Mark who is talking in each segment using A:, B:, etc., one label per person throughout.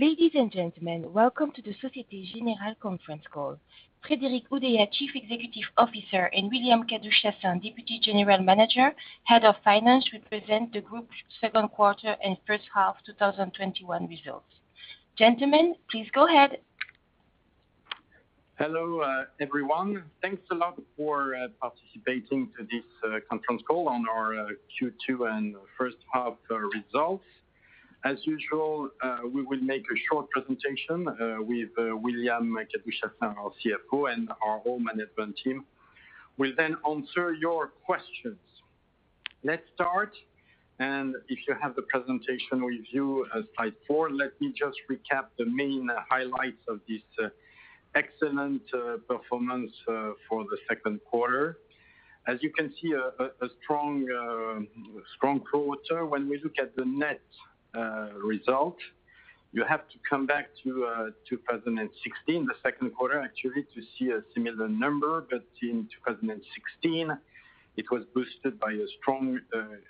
A: Ladies and gentlemen, welcome to the Société Générale Conference Call. Frédéric Oudéa, Chief Executive Officer, and William Kadouch-Chassaing, Deputy General Manager, Head of Finance, will present the group's Second Quarter and First Half 2021 Results. Gentlemen, please go ahead.
B: Hello, everyone. Thanks a lot for participating to this conference call on our Q2 and First Half Results. As usual, we will make a short presentation with William Kadouch-Chassaing, our CFO, and our whole management team. We'll answer your questions. Let's start. If you have the presentation with you as slide four, let me just recap the main highlights of this excellent performance for the second quarter. As you can see, a strong quarter when we look at the net result. You have to come back to 2016, the second quarter, actually, to see a similar number. In 2016, it was boosted by a strong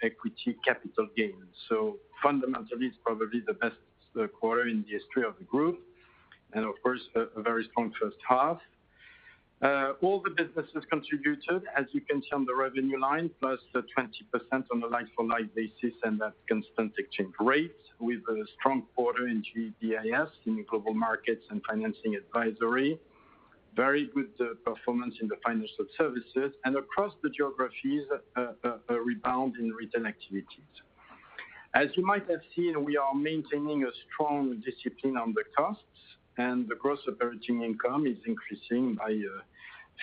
B: equity capital gain. Fundamentally, it's probably the best quarter in the history of the group. Of course, a very strong first half. All the businesses contributed, as you can see on the revenue line, +20% on a like-for-like basis and at constant exchange rates, with a strong quarter in GBIS, in Global Markets and Financing & Advisory, very good performance in the Financial Services, and across the geographies, a rebound in retail activities. As you might have seen, we are maintaining a strong discipline on the costs, and the gross operating income is increasing by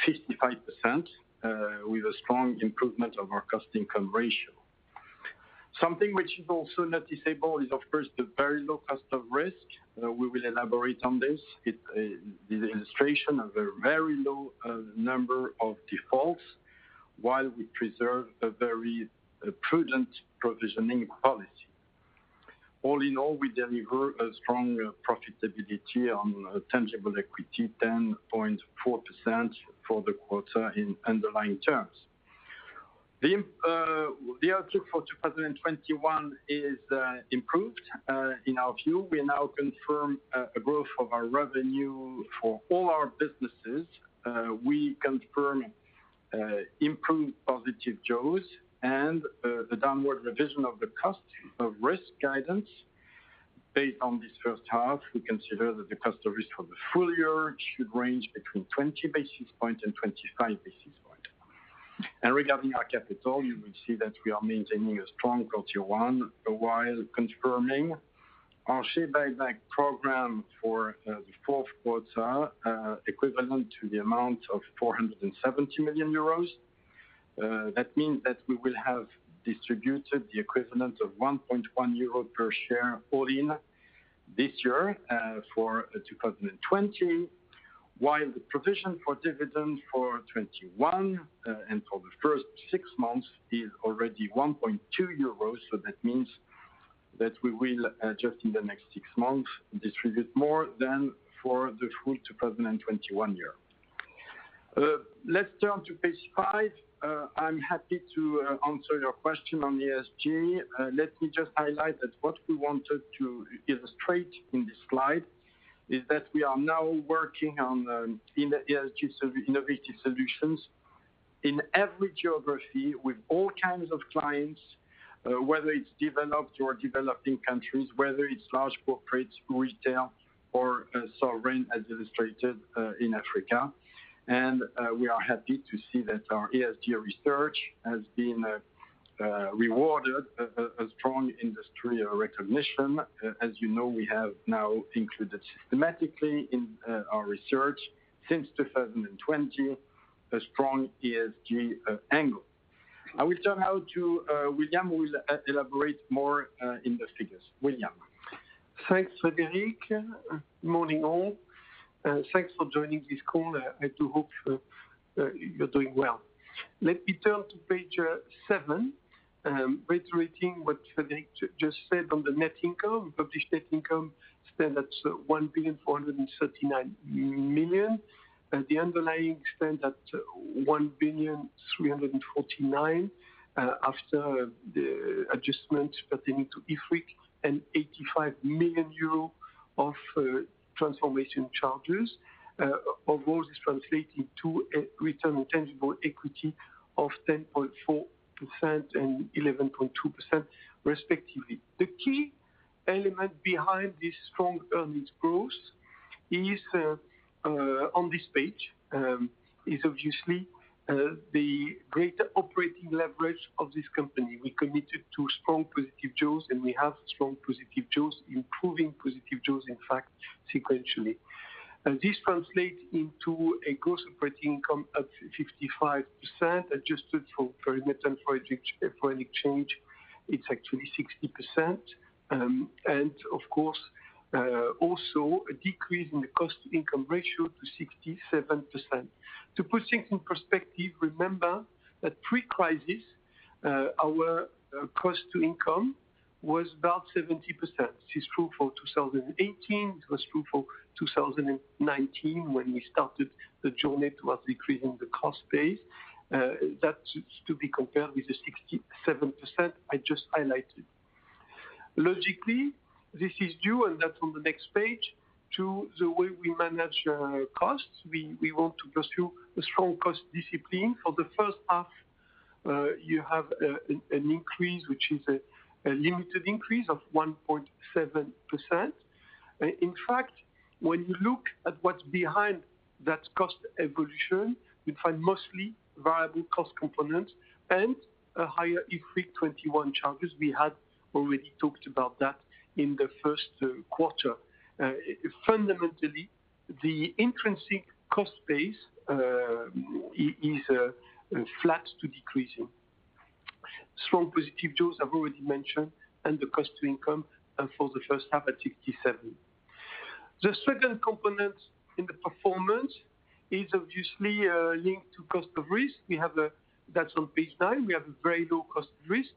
B: 55% with a strong improvement of our cost-income ratio. Something which is also not negligible is, of course, the very low cost of risk. We will elaborate on this. It is an illustration of a very low number of defaults, while we preserve a very prudent provisioning policy. All in all, we deliver a strong profitability on tangible equity, 10.4% for the quarter in underlying terms. The outlook for 2021 is improved. In our view, we now confirm a growth of our revenue for all our businesses. We confirm improved positive jaws and the downward revision of the cost of risk guidance. Based on this first half, we consider that the cost of risk for the full year should range between 20 and 25 basis points. Regarding our capital, you will see that we are maintaining a strong Tier 1, while confirming our share buyback program for the fourth quarter, equivalent to the amount of 470 million euros. That means that we will have distributed the equivalent of 1.1 euro per share all-in this year for 2020, while the provision for dividends for 2021 and for the first six months is already 1.2 euros. That means that we will, just in the next six months, distribute more than for the full 2021 year. Let's turn to page five. I'm happy to answer your question on the ESG. Let me just highlight that what we wanted to illustrate in this slide is that we are now working on ESG innovative solutions in every geography with all kinds of clients, whether it's developed or developing countries, whether it's large corporates, retail, or sovereign administrators in Africa. We are happy to see that our ESG research has been rewarded a strong industry recognition. As you know, we have now included systematically in our research since 2020, a strong ESG angle. I will turn now to William, who will elaborate more in the figures. William.
C: Thanks, Frédéric. Morning, all. Thanks for joining this call. I do hope you're doing well. Let me turn to page seven, reiterating what Frédéric just said on the net income. Published net income stands at 1,439,000,000. The underlying stands at 1,349,000,000 after the adjustment pertaining to IFRIC and 85 million euro of transformation charges. Of those is translated to a return on tangible equity of 10.4% and 11.2% respectively. The key element behind this strong earnings growth is on this page, is obviously the greater operating leverage of this company. We committed to strong positive jaws, and we have strong positive jaws, improving positive jaws, in fact, sequentially. This translates into a cost operating income of 55%, adjusted for foreign exchange, it's actually 60%. Of course, also a decrease in the cost-to-income ratio to 67%. To put things in perspective, remember that pre-crisis, our cost to income was about 70%. This is true for 2018. It was true for 2019, when we started the journey towards decreasing the cost base. That is to be compared with the 67% I just highlighted. Logically, this is due, and that's on the next page, to the way we manage our costs. We want to pursue a strong cost discipline. For the first half, you have an increase, which is a limited increase of 1.7%. In fact, when you look at what's behind that cost evolution, you find mostly variable cost components and a higher IFRIC 21 charges. We had already talked about that in the first quarter. Fundamentally, the intrinsic cost base is flat to decreasing. Strong positive jaws, I've already mentioned, and the cost to income for the first half at 57%. The second component in the performance is obviously linked to cost of risk. That's on page nine. We have a very low cost of risk.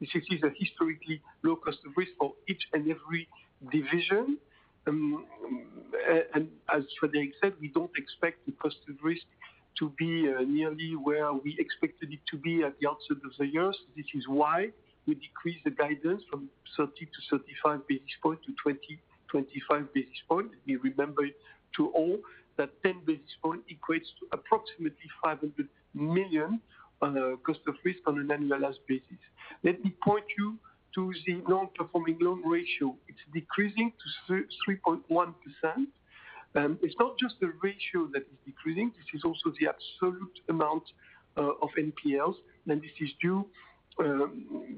C: This is a historically low cost of risk for each and every division. As Frédéric said, we don't expect the cost of risk to be nearly where we expected it to be at the outset of the year. This is why we decreased the guidance from 30-35 basis points to 20-25 basis points. You remember it to all, that 10 basis points equates to approximately 500 million on a cost of risk on an annualized basis. Let me point you to the non-performing loan ratio. It's decreasing to 3.1%. It's not just the ratio that is decreasing, this is also the absolute amount of NPLs. This is due,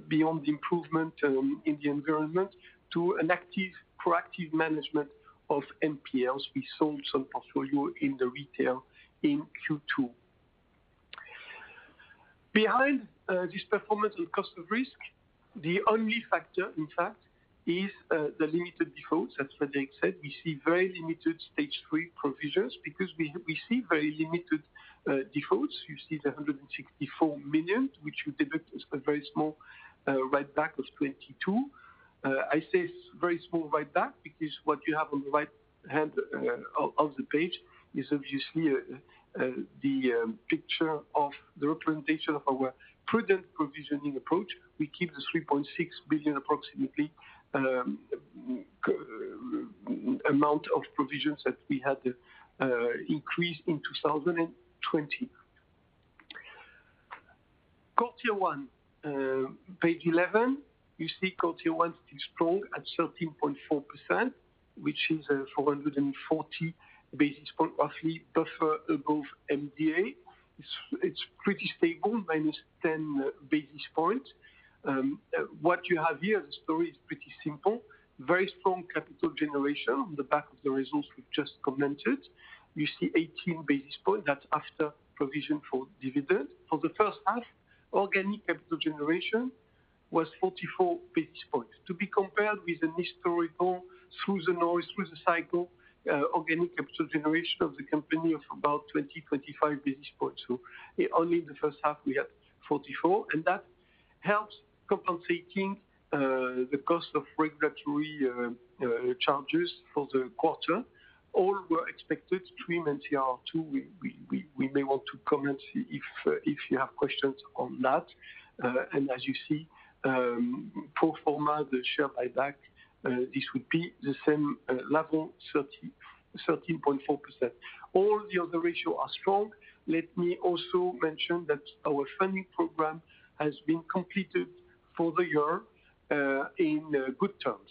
C: beyond the improvement in the environment, to an active, proactive management of NPLs. We sold some portfolio in the retail in Q2. Behind this performance on cost of risk, the only factor, in fact, is the limited defaults, as Frédéric said. We see very limited Stage 3 Provisions because we see very limited defaults. You see the 164 million, which we deduct as a very small write-back of 22. I say it's very small write-back because what you have on the right-hand of the page is obviously the picture of the representation of our prudent provisioning approach. We keep the 3.6 billion approximately, amount of provisions that we had increased in 2020. Page 11, you see CET1 is strong at 13.4%, which is 440 basis points above MDA. It's pretty stable, -10 basis points. What you have here, the story is pretty simple. Very strong capital generation on the back of the results we've just commented. You see 18 basis points, that's after provision for dividend. For the first half, organic capital generation was 44 basis point, to be compared with an historical, through the noise, through the cycle, organic capital generation of the company of about 20, 25 basis point. Only the first half, we had 44, and that helps compensating the cost of regulatory charges for the quarter. All were expected pre CRR2. We may want to comment if you have questions on that. As you see, pro forma, the share buyback, this would be the same level, 13.4%. All the other ratio are strong. Let me also mention that our funding program has been completed for the year in good terms.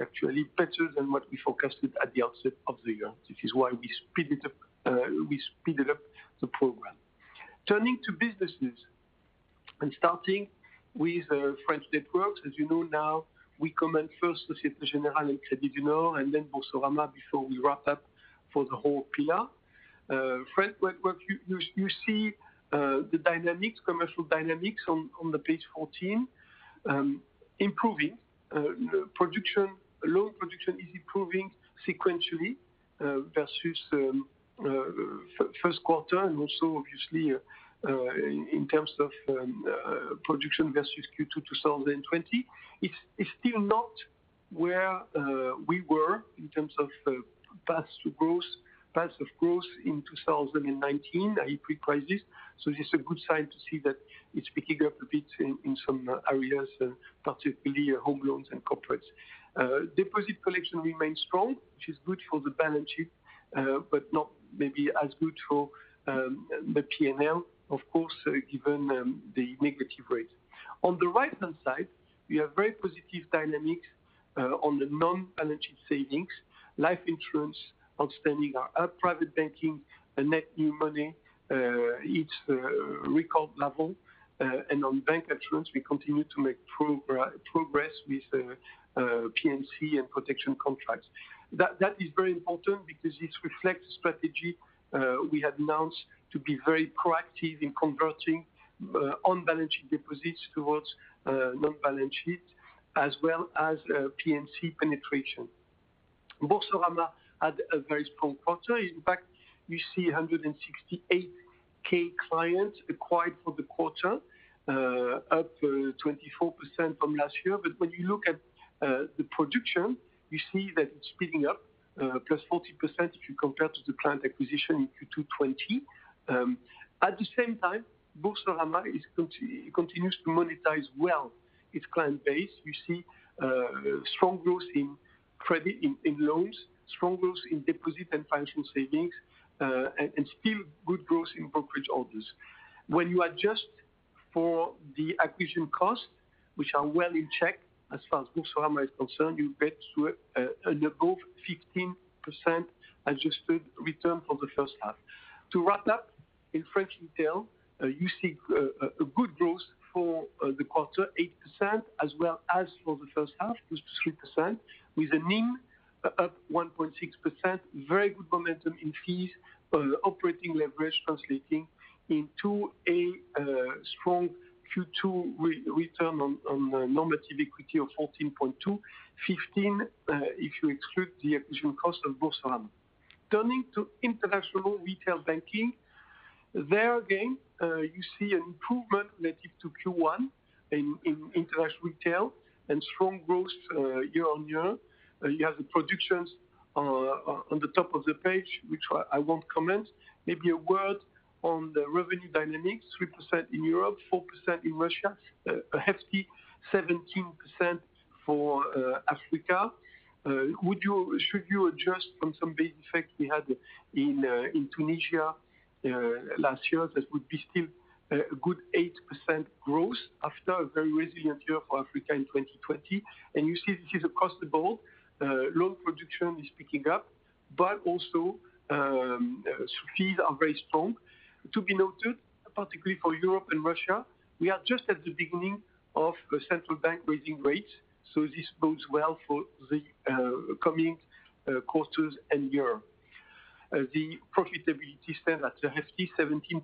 C: Actually, better than what we forecasted at the outset of the year, which is why we speeded up the program. Turning to business news, and starting with French Networks. As you know now, we comment first the Société Générale Crédit du Nord, and then Boursorama before we wrap up for the whole pillar. French Networks, you see the dynamics, commercial dynamics, on the page 14, improving. Loan production is improving sequentially versus first quarter, and also obviously in terms of production versus Q2 2020. It's still not where we were in terms of paths of growth in 2019, pre-crisis. This is a good sign to see that it's picking up a bit in some areas, particularly home loans and corporates. Deposit collection remains strong, which is good for the balance sheet, but not maybe as good for the P&L, of course, given the negative rates. On the right-hand side, we have very positive dynamics on the non-balance sheet savings. Life insurance outstanding are up, private banking net new money hits record level. On bank insurance, we continue to make progress with P&C and protection contracts. That is very important because this reflects the strategy we had announced to be very proactive in converting on-balance sheet deposits towards non-balance sheet, as well as P&C penetration. Boursorama had a very strong quarter. You see 168K clients acquired for the quarter, up to 24% from last year. When you look at the production, you see that it's picking up, +40% if you compare to the client acquisition in Q2 2020. At the same time, Boursorama continues to monetize well its client base. You see strong growth in credit, in loans, strong growth in deposit and financial savings, and still good growth in brokerage orders. When you adjust for the acquisition costs, which are well in check as far as Boursorama is concerned, you get to a good 15% adjusted return for the first half. To wrap up, in French Retail Banking, you see a good growth for the quarter, 8%, as well as for the first half, which is 3%, with a NIM up 1.6%. Very good momentum in fees, operating leverage translating into a strong Q2 return on normative equity of 14.2%. 15%, if you exclude the acquisition cost of Boursorama. Turning to International Retail Banking. There again, you see an improvement relative to Q1 in International Retail, and strong growth year-on-year. You have the projections on the top of the page, which I won't comment. Maybe a word on the revenue dynamics, 3% in Europe, 4% in Russia, a hefty 17% for Africa. Should you adjust on some base effect we had in Tunisia last year, that would be still a good 8% growth after a very resilient year for Africa in 2020. You see this is across the board. Loan production is picking up, but also fees are very strong. To be noted, particularly for Europe and Russia, we are just at the beginning of central bank raising rates. This bodes well for the coming quarters in Europe. The profitability standard, a hefty 17%.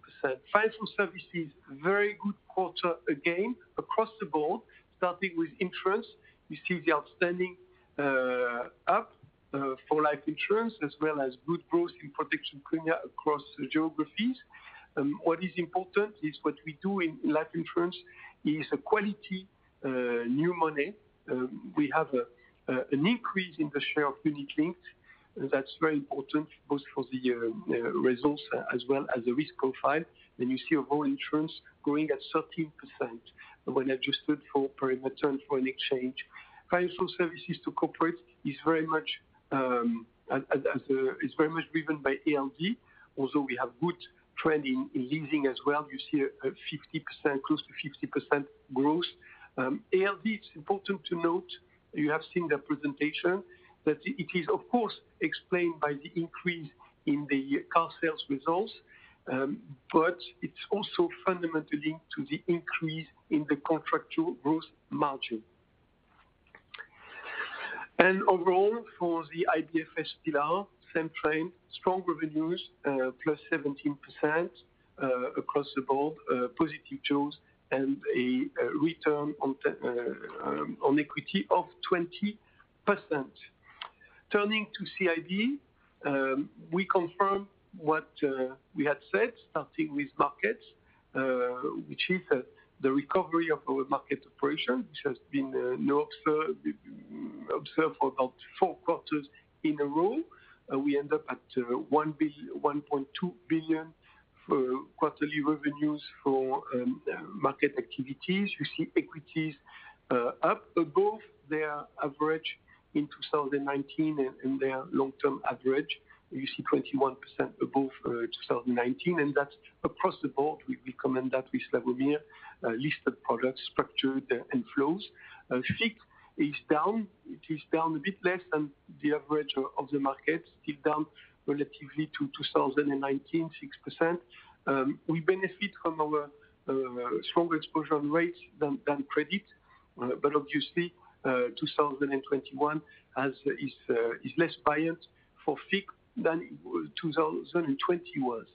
C: Financial Services, very good quarter again across the board, starting with insurance. You see the outstanding up for life insurance as well as good growth in production premium across geographies. What is important is what we do in life insurance is a quality new money. We have an increase in the share of unit linked. That's very important, both for the results as well as the risk profile. You see overall insurance growing at 13% when adjusted for foreign return foreign exchange. Financial Services to corporate is very much driven by ALD, although we have good trend in leasing as well. You see close to 50% growth. ALD, it's important to note, you have seen the presentation, that it is, of course, explained by the increase in the car sales results, but it's also fundamentally linked to the increase in the contractual growth margin. Overall, for the IBFS pillar, same trend, strong revenues, +17% across the board, positive yields, and a return on equity of 20%. Turning to CIB, we confirm what we had said, starting with markets, which is the recovery of our market operation, which has been observed for about four quarters in a row. We end up at 1.2 billion for quarterly revenues for market activities. You see equities up above their average in 2019 and their long-term average. You see 21% above 2019, and that's across the board. We comment that with Slawomir, listed products, structured and flows. FIC is down. It is down a bit less than the average of the market, still down relatively to 2019, 6%. We benefit from a stronger exposure on rates than credit. Obviously, 2021 is less buoyant for FIC than 2020 was.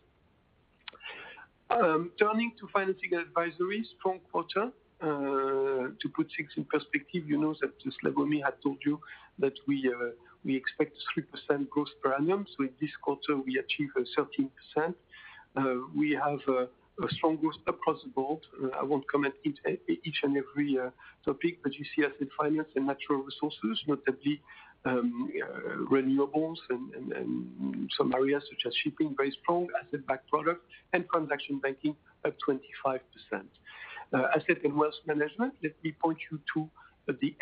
C: Turning to financial advisory, strong quarter. To put things in perspective, you know that Slawomir had told you that we expect 3% gross premiums. With this quarter, we achieve a 13%. We have a strong growth across the board. I won't comment each and every topic. You see asset finance and natural resources, notably renewables and some areas such as shipping, very strong asset-backed product and transaction banking at 25%. Asset and wealth management, let me point you to the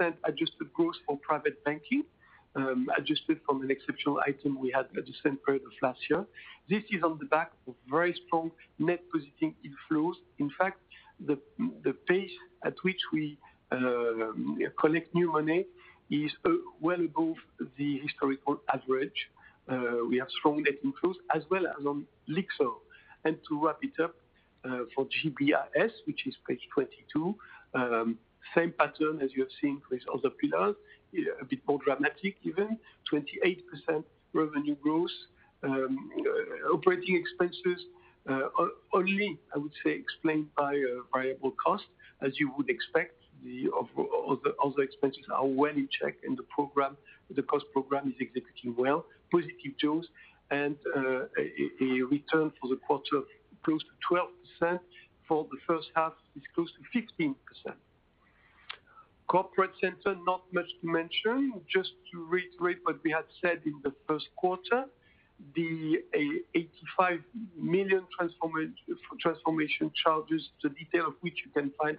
C: 8% adjusted growth for private banking, adjusted from an exceptional item we had the same quarter last year. This is on the back of very strong net positioning inflows. In fact, the pace at which we collect new money is well above the historical average. We have strong net inflows as well as on Lyxor. To wrap it up, for GBIS, which is page 22, same pattern as you have seen for other pillars. A bit more dramatic, even. 28% revenue growth. Operating expenses up I would say, explained by variable cost as you would expect. All the expenses are well in check in the program. The cost program is executing well, positive jaws, and a return for the quarter of close to 12%. For the first half, it's close to 15%. Corporate Center, not much to mention. Just to reiterate what we had said in the first quarter, the 85 million transformation charges, the detail of which you can find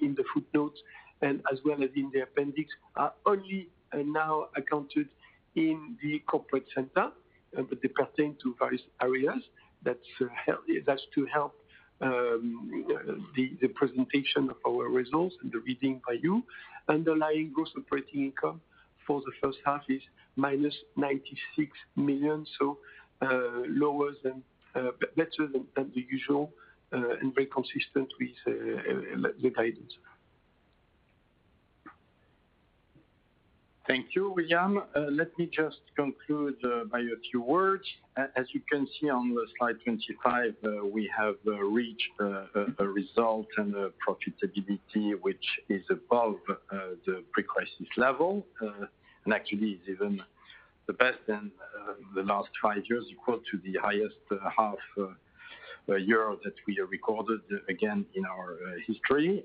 C: in the footnotes and as well as in the appendix, are only now accounted in the Corporate Center. They pertain to various areas. That's to help the presentation of our results and the reading by you. Underlying gross operating income for the first half is -96 million, better than the usual, and very consistent with the guidance.
B: Thank you, William. Let me just conclude by a few words. As you can see on slide 25, we have reached a result and a profitability which is above the pre-crisis level, and actually is even the best in the last five years, equal to the highest half year that we have recorded, again, in our history.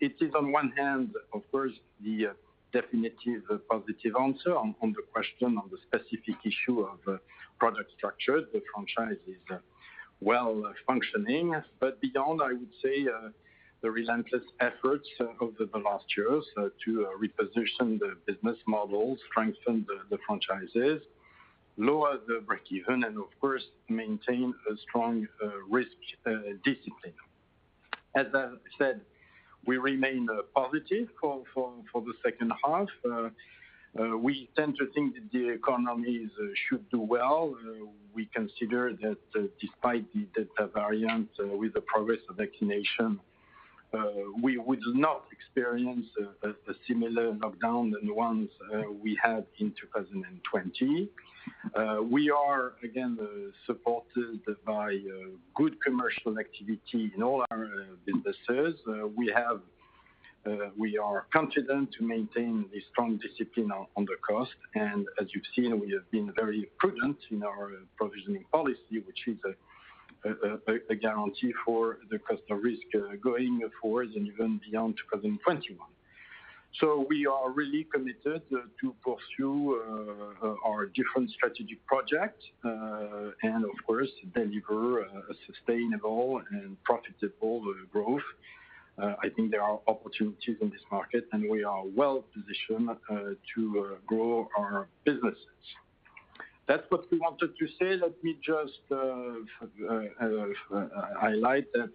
B: It is on one hand, of course, the definitive positive answer on the question on the specific issue of product structure. The franchise is well functioning. Beyond, I would say, the relentless efforts over the last year or so to reposition the business model, strengthen the franchises, lower the break even, and of course, maintain a strong risk discipline. As I said, we remain positive for the second half. We tend to think that the economies should do well. We consider that despite the Delta variant with the progress of vaccination, we would not experience a similar lockdown than the ones we had in 2020. We are, again, supported by good commercial activity in all our businesses. We are confident to maintain a strong discipline on costs. As you've seen, we have been very prudent in our provisioning policy, which is a guarantee for the customer risk going forward and even beyond 2021. We are really committed to pursue our different strategic projects, and of course, deliver a sustainable and profitable growth. I think there are opportunities in this market, and we are well-positioned to grow our businesses. That's what we wanted to say. Let me just highlight that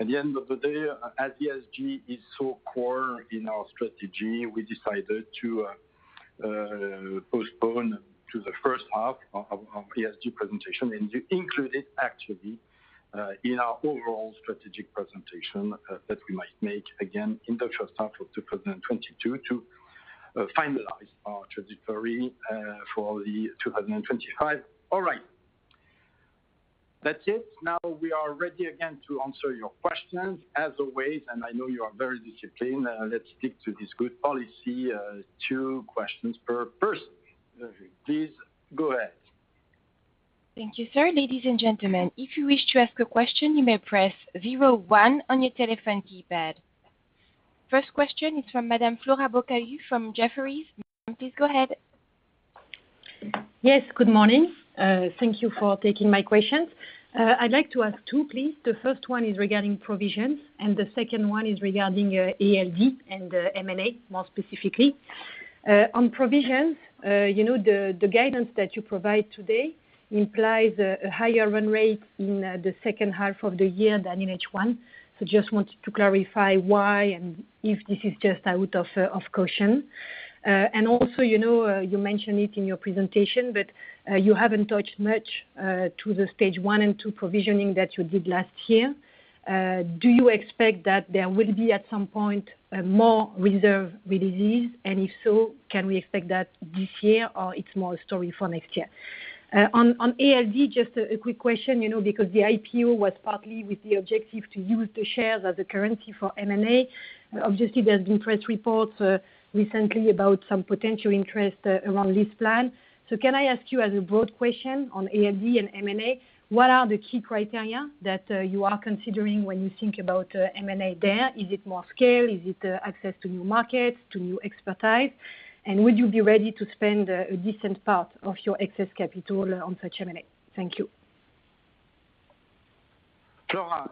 B: at the end of the day, ESG is so core in our strategy, we decided to postpone to the first half our ESG presentation and to include it actually in our overall strategic presentation that we might make again in the first half of 2022 to finalize our trajectory for the year 2025. All right. That's it. Now, we are ready again to answer your questions. As always, I know you are very disciplined, let's stick to this good policy, two questions per person. Please go ahead.
A: Thank you, sir. Ladies and gentlemen, if you wish to ask a question, you may press zero one on your telephone keypad. First question is from Madam Flora Bocahut from Jefferies. Madam, please go ahead.
D: Yes, good morning. Thank you for taking my questions. I'd like to ask two, please. The first one is regarding provisions, and the second one is regarding ALD and M&A, more specifically. On provisions, the guidance that you provide today implies a higher run rate in the second half of the year than in H1. Just wanted to clarify why and if this is just out of caution. You mentioned it in your presentation, but you haven't touched much to the Stage 1 and 2 provisioning that you did last year. Do you expect that there will be, at some point, more reserve releases? If so, can we expect that this year, or it's more a story for next year? On ALD, just a quick question, because the IPO was partly with the objective to use the shares as a currency for M&A. Obviously, there's been press reports recently about some potential interest around this plan. Can I ask you as a broad question on ALD and M&A, what are the key criteria that you are considering when you think about M&A there? Is it more scale? Is it access to new markets, to new expertise? Would you be ready to spend a decent part of your excess capital on such M&A? Thank you.
B: Flora,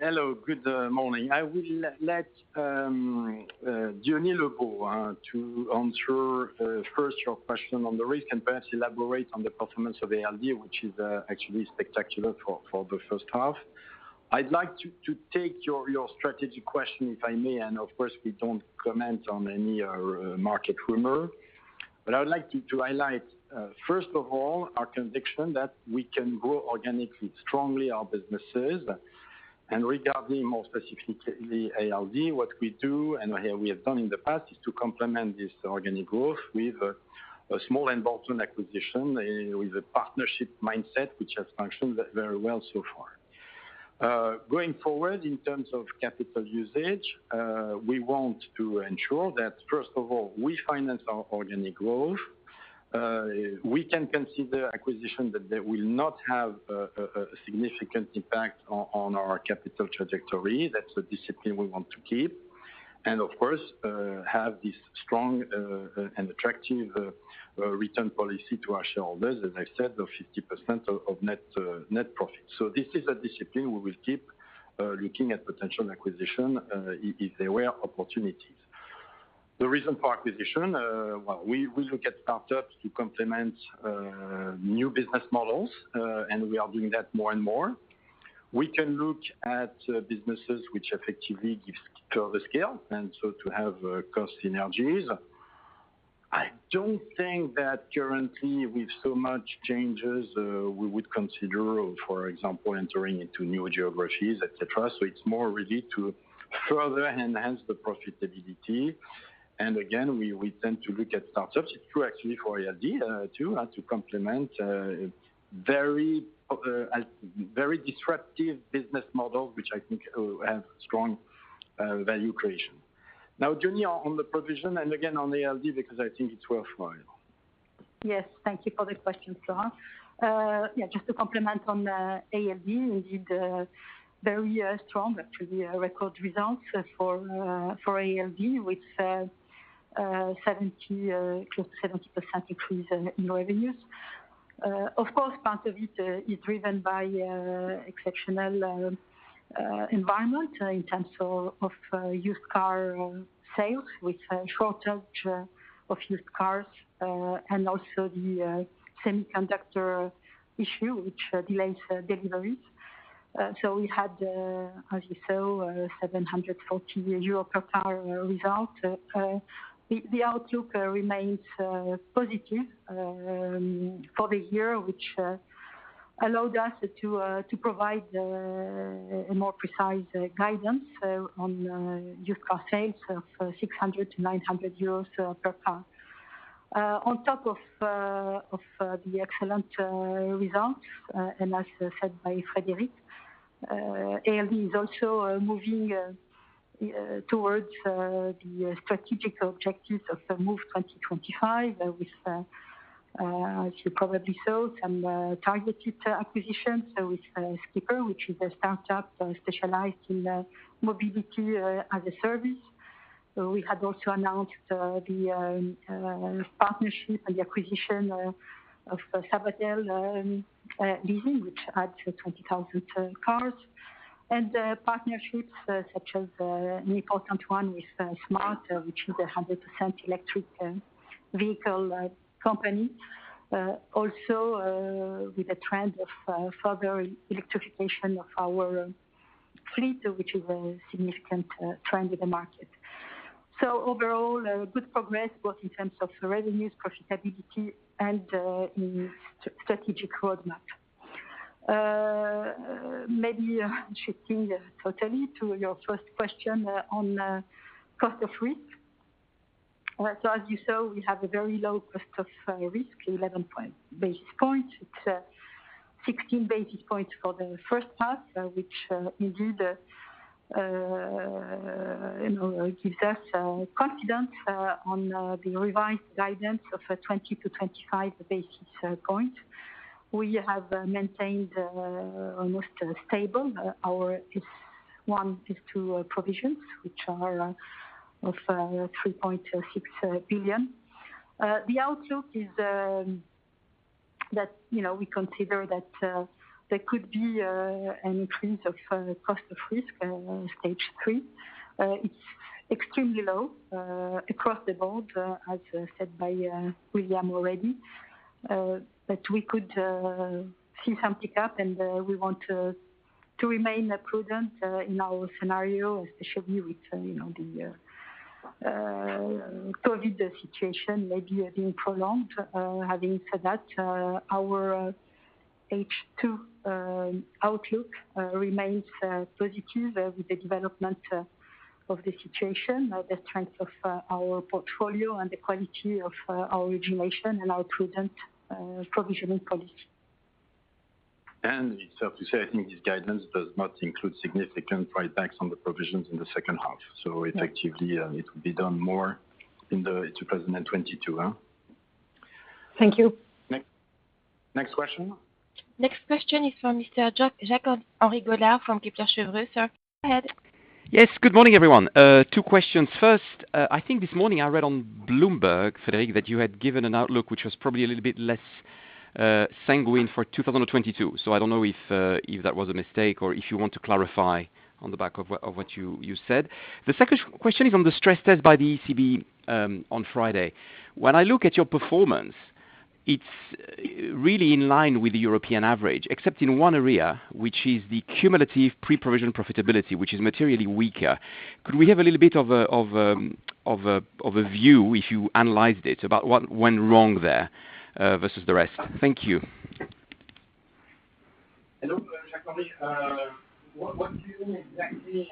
B: hello. Good morning. I will let Diony Lebot to answer first your question on the rate, and perhaps elaborate on the performance of ALD, which is actually spectacular for the first half. I'd like to take your strategy question, if I may. Of course, we don't comment on any market rumor. I would like to highlight, first of all, our conviction that we can grow organically, strongly, our businesses. Regarding more specifically ALD, what we do and what we have done in the past is to complement this organic growth with a small involvement acquisition, with a partnership mindset, which has functioned very well so far. Going forward, in terms of capital usage, we want to ensure that, first of all, we finance our organic growth. We can consider acquisition that will not have a significant impact on our capital trajectory. That's a discipline we want to keep. Of course, have this strong and attractive return policy to our shareholders, as I said, of 50% of net profit. This is a discipline we will keep looking at potential acquisition, if there were opportunities. The reason for acquisition, well, we look at startups to complement new business models, and we are doing that more and more. We can look at businesses which effectively gives scale, and so to have cost synergies. I don't think that currently with so much changes, we would consider, for example, entering into new geographies, et cetera. It's more really to further enhance the profitability. Again, we tend to look at startups. It's true, actually, for ALD too, to complement very disruptive business model, which I think has strong value creation. Now, Diony, on the provision and again, on ALD, because I think it's worthwhile.
E: Yes. Thank you for the question, Flora. Just to complement on ALD, we did a very strong actually, record results for ALD, with close to 70% increase in revenues. Of course, part of it is driven by exceptional environment in terms of used car sales, with a shortage of used cars, and also the semiconductor issue, which delays deliveries. We had, as you saw, 740 euro per car result. The outlook remains positive for the year, which allowed us to provide a more precise guidance on used car sales of 600-900 euros per car. On top of the excellent results, as said by Frédéric, ALD is also moving towards the strategic objectives of the Move 2025 with, as you probably saw, some targeted acquisitions with Skipr, which is a startup specialized in mobility-as-a-service. We had also announced the partnership and the acquisition of Sabadell Leasing, which adds 20,000 cars. Partnerships such as an important one with Smart, which is 100% electric vehicle company. Also, with the trend of further electrification of our fleet, which is a significant trend in the market. Overall, good progress both in terms of revenues, profitability, and strategic roadmap. Maybe shifting totally to your first question on cost of risk. As you saw, we have a very low cost of risk, 11 basis points. It's 16 basis points for the first half, which gives us confidence on the revised guidance of 20-25 basis points. We have maintained almost stable our Stage 1 and 2 Provisions, which are of 3.6 billion. The outlook is that we consider that there could be an increase of cost of risk in stage three. It's extremely low across the board, as said by William already. We could see some tick-up, and we want to remain prudent in our scenario, especially with the COVID situation maybe being prolonged. Having said that, our H2 outlook remains positive with the development of the situation, the strength of our portfolio, and the quality of our origination and our prudent provisioning policy.
B: It's up to say, I think this guidance does not include significant write-backs on the provisions in the second half. Effectively, it will be done more in 2022.
D: Thank you.
B: Next question.
A: Next question is from Mr. Jacques-Henri Gaulard from Kepler Cheuvreux. Sir, go ahead.
F: Yes. Good morning, everyone. Two questions. First, I think this morning I read on Bloomberg, Frédéric, that you had given an outlook, which was probably a little bit less sanguine for 2022. I don't know if that was a mistake or if you want to clarify on the back of what you said. The second question is on the stress test by the ECB on Friday. When I look at your performance, it's really in line with the European average, except in one area, which is the cumulative pre-provision profitability, which is materially weaker. Could we have a little bit of a view, if you analyzed it, about what went wrong there versus the rest? Thank you.
B: Hello, Jacques-Henri. What do you mean exactly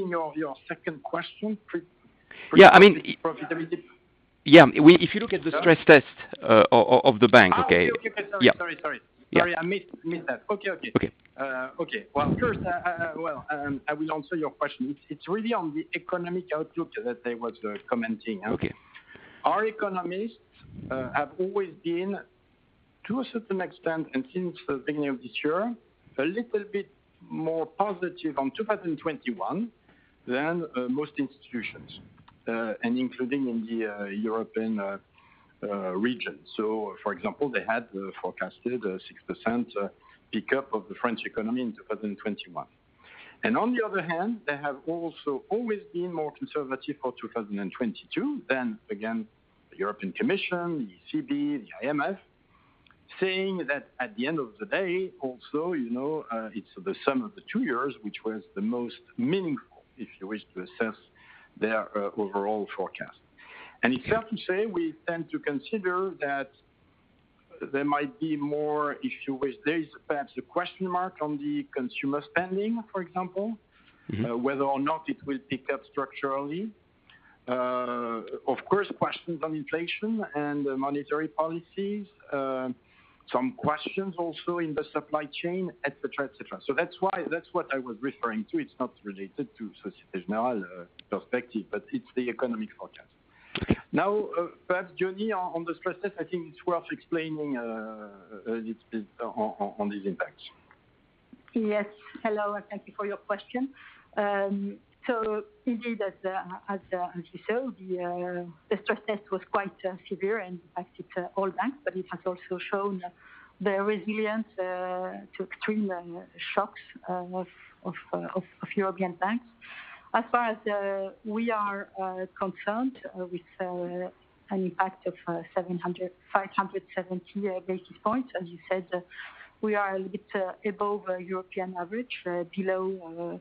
B: in your second question?
F: Yeah. If you look at the stress test of the bank, okay?
B: Okay. Sorry.
F: Yeah.
B: Sorry, I missed that. Okay.
F: Okay.
B: I will answer your question. It's really on the economic outlook that I was commenting.
F: Okay.
B: Our economists have always been, to a certain extent, and since the beginning of this year, a little bit more positive on 2021 than most institutions, including in the European region. For example, they had forecasted a 6% pickup of the French economy in 2021. On the other hand, they have also always been more conservative for 2022 than, again, the European Commission, the ECB, the IMF, saying that at the end of the day, also, it's the sum of the two years, which was the most meaningful, if you wish to assess their overall forecast. It's fair to say, we tend to consider that there might be more issues with this, perhaps a question mark on the consumer spending, for example. Whether or not it will pick up structurally. Of course, questions on inflation and monetary policies. Some questions also in the supply chain, et cetera. That's what I was referring to. It's not related to Société Générale perspective, but it's the economic forecast. Perhaps, Diony, on the stress test, I think it's worth explaining a little bit on these impacts.
E: Yes. Hello, thank you for your question. Indeed, as you saw, the stress test was quite severe and impacted all banks, but it has also shown the resilience to extreme shocks of European banks. As far as we are concerned, with an impact of 570 basis points, as you said, we are a little bit above European average, below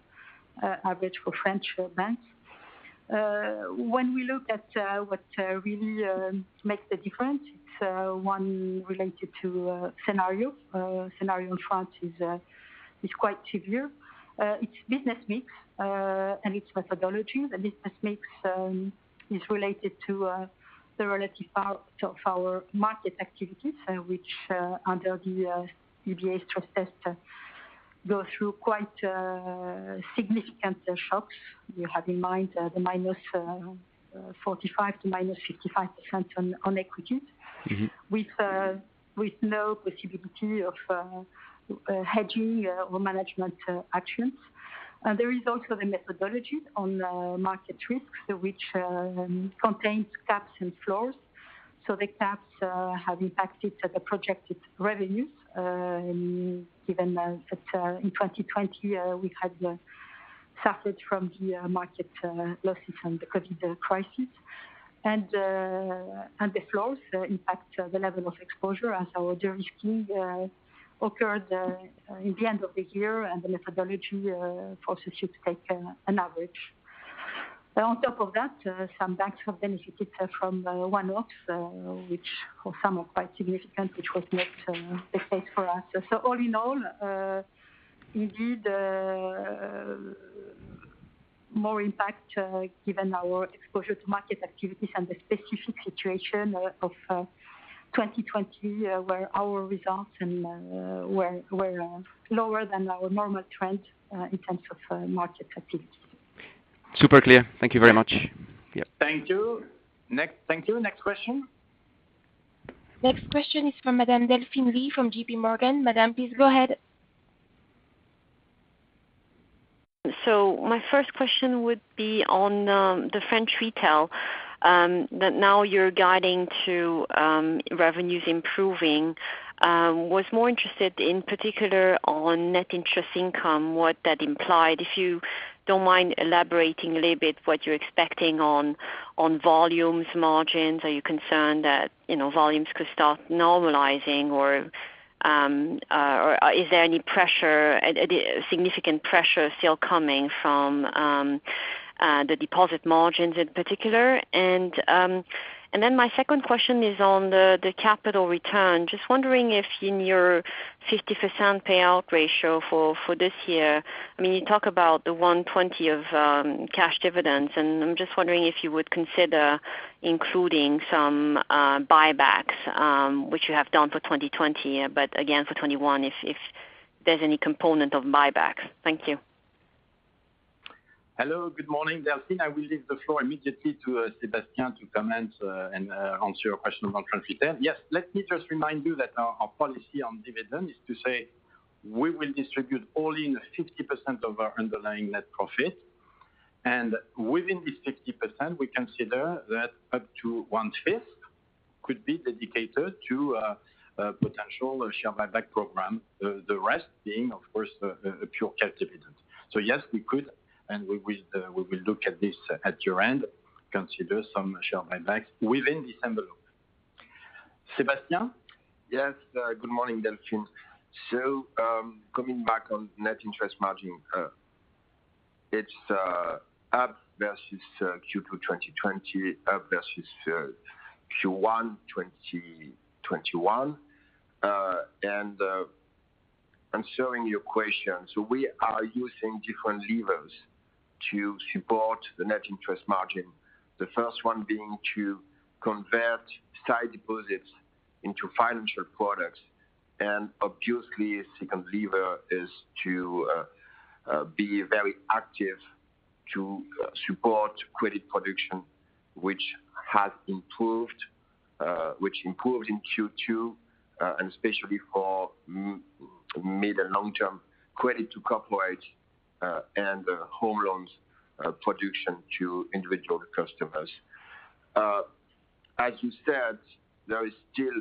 E: average for French banks. We look at what really makes the difference, it's one related to scenario. Scenario in France is quite severe. It's business mix, it's methodology. The business mix is related to the relative power of our market activities, which under the EBA stress test, go through quite significant shocks. You have in mind the -45% to -55% on equities. With no possibility of hedging or management actions. There is also the methodology on market risks, which contains caps and floors. The caps have impacted the projected revenues, given that in 2020, we had suffered from the market losses and the COVID crisis. The floors impact the level of exposure as our risk occurred at the end of the year, and the methodology also should take an average. On top of that, some banks have benefited from one-offs, for some are quite significant, which was not the case for us. All in all, indeed more impact given our exposure to market activities and the specific situation of 2020, where our results were lower than our normal trend in terms of market activity.
F: Super clear. Thank you very much. Yeah.
B: Thank you. Thank you. Next question.
A: Next question is from Madam Delphine Lee from JPMorgan. Madam, please go ahead.
G: My first question would be on the French Retail, that now you're guiding to revenues improving. I was more interested in particular on net interest income, what that implied, if you don't mind elaborating a little bit what you're expecting on volumes, margins. Are you concerned that volumes could start normalizing, or is there any significant pressure still coming from the deposit margins in particular? My second question is on the capital return. Just wondering if in your 50% payout ratio for this year, you talk about the 120 of cash dividends, and I'm just wondering if you would consider including some buybacks, which you have done for 2020. Again, for 2021, if there's any component of buybacks. Thank you.
B: Hello, good morning, Delphine. I will leave the floor immediately to Sébastien to comment and answer your question about French Retail. Yes, let me just remind you that our policy on dividends is to say we will distribute only 50% of our underlying net profit. Within this 50%, we consider that up to 1/5 could be dedicated to a potential share buyback program. The rest being, of course, a pure cash dividend. Yes, we could, and we will look at this at year-end, consider some share buybacks within this envelope. Sébastien?
H: Yes. Good morning, Delphine. Coming back on net interest margin. It's up versus Q2 2020, up versus Q1 2021. Answering your question, we are using different levers to support the NIM, the first one being to convert side deposits into financial products. Obviously, a second lever is to be very active to support credit production, which improved in Q2, and especially for mid and long-term credit to corporates, and home loans production to individual customers. As you said, there is still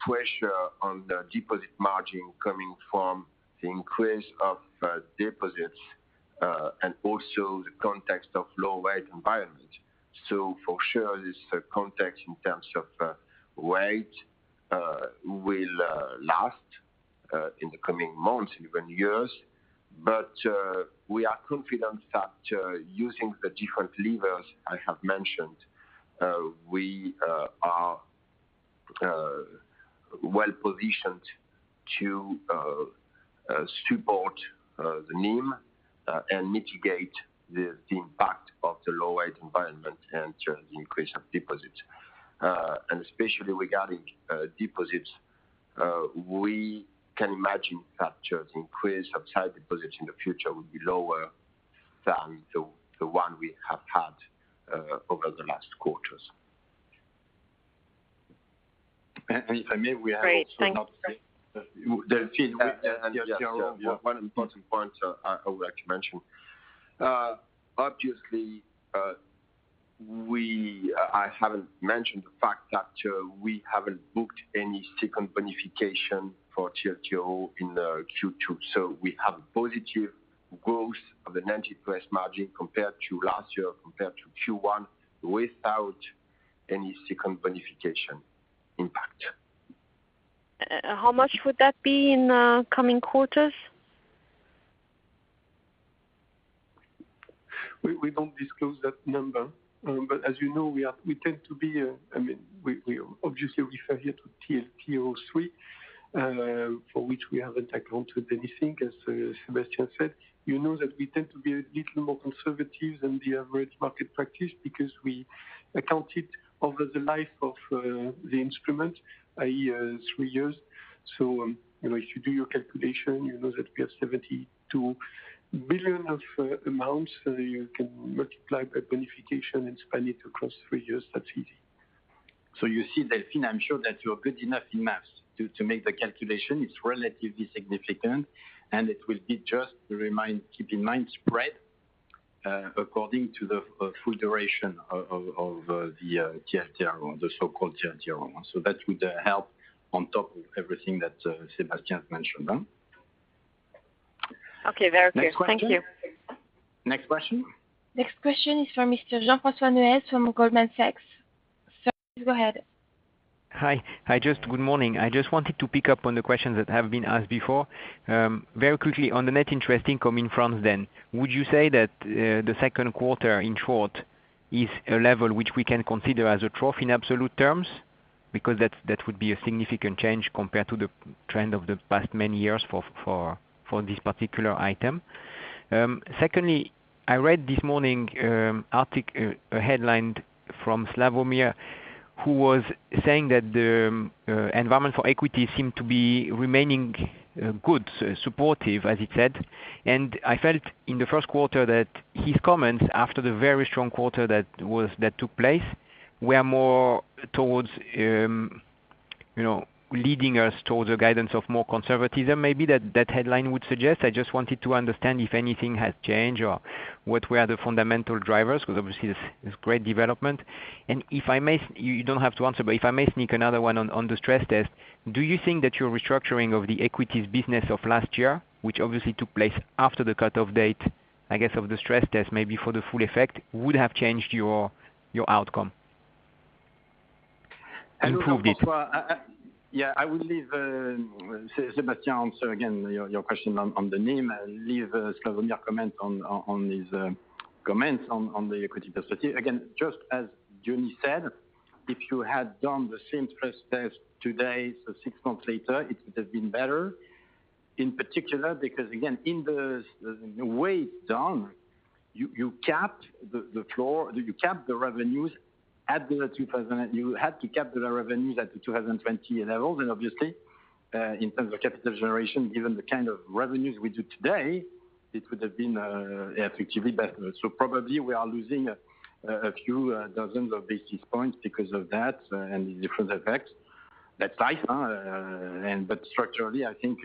H: pressure on the deposit margin coming from the increase of deposits, and also the context of low rate environment. For sure, this context in terms of rate will last in the coming months, even years. We are confident that using the different levers I have mentioned, we are well-positioned to support the NIM and mitigate the impact of the low-rate environment and the increase of deposits. Especially regarding deposits, we can imagine that the increase of side deposits in the future will be lower than the one we have had over the last quarters. If I may.
G: Great.
H: Delphine, yes, Jerome, one important point I would like to mention. Obviously, I haven't mentioned the fact that we haven't booked any second bonification for TLTRO in the Q2. We have a positive growth of the net interest margin compared to last year, compared to Q1, without any second bonification impact.
G: How much would that be in coming quarters?
C: We don't disclose that number. As you know, we refer here to TLTRO III, for which we haven't accounted anything, as Sébastien said. You know that we tend to be a little more conservative than the average market practice, because we accounted over the life of the instrument, i.e., three years. If you do your calculation, you know that we have 72 billion of amounts. You can multiply the bonification and spread it across three years, that's it.
B: You see, Delphine, I'm sure that you are good enough in math to make the calculation. It's relatively significant, and it will be just, keep in mind, spread according to the full duration of the TLTRO, or the so-called TLTRO. That would help on top of everything that Sébastien mentioned.
G: Okay. Very clear. Thank you.
B: Next question.
A: Next question is from Mr. Jean-Francois Neuez from Goldman Sachs. Sir, go ahead.
I: Hi. Good morning. I just wanted to pick up on the questions that have been asked before. Very quickly, on the net interest income in France then, would you say that the second quarter, in short, is a level which we can consider as a trough in absolute terms? That would be a significant change compared to the trend of the past many years for this particular item. Secondly, I read this morning, an article, a headline from Slawomir, who was saying that the environment for equity seemed to be remaining good, supportive, as he said. I felt in the first quarter that his comments, after the very strong quarter that took place, were more towards leading us towards a guidance of more conservatism, maybe that headline would suggest. I just wanted to understand if anything has changed or what were the fundamental drivers, because obviously, this is great development. You don't have to answer, but if I may sneak another one on the stress test, do you think that your restructuring of the equities business of last year, which obviously took place after the cutoff date, I guess, of the stress test, maybe for the full effect, would have changed your outcome? Improved it?
B: Hello, Jean-Francois. I would leave Sébastien answer again your question on the NIM, leave Slawomir's comment on his comments on the equity position. Just as Diony said, if you had done the same stress test today, so six months later, it would have been better. In particular, because in the way it's done, you capped the revenues at the 2000. You had to cap the revenues at the 2020 levels, obviously, in terms of capital generation, given the kind of revenues we do today, it would have been effectively better. Probably, we are losing a few dozens of basis points because of that and the different effects. That's life. Structurally, I think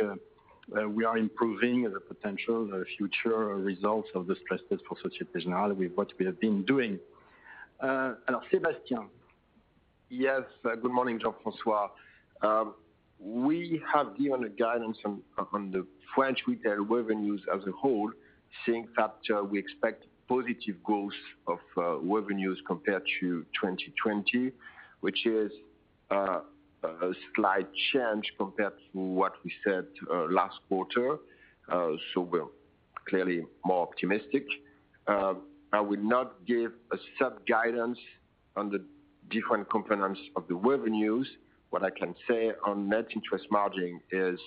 B: we are improving the potential future results of the stress test for Société Générale with what we have been doing. Sébastien.
H: Yes. Good morning, Jean-Francois. We have given a guidance on the French retail revenues as a whole, saying that we expect positive growth of revenues compared to 2020, which is a slight change compared to what we said last quarter. We're clearly more optimistic. I would not give a sub-guidance on the different components of the revenues. What I can say on net interest margin is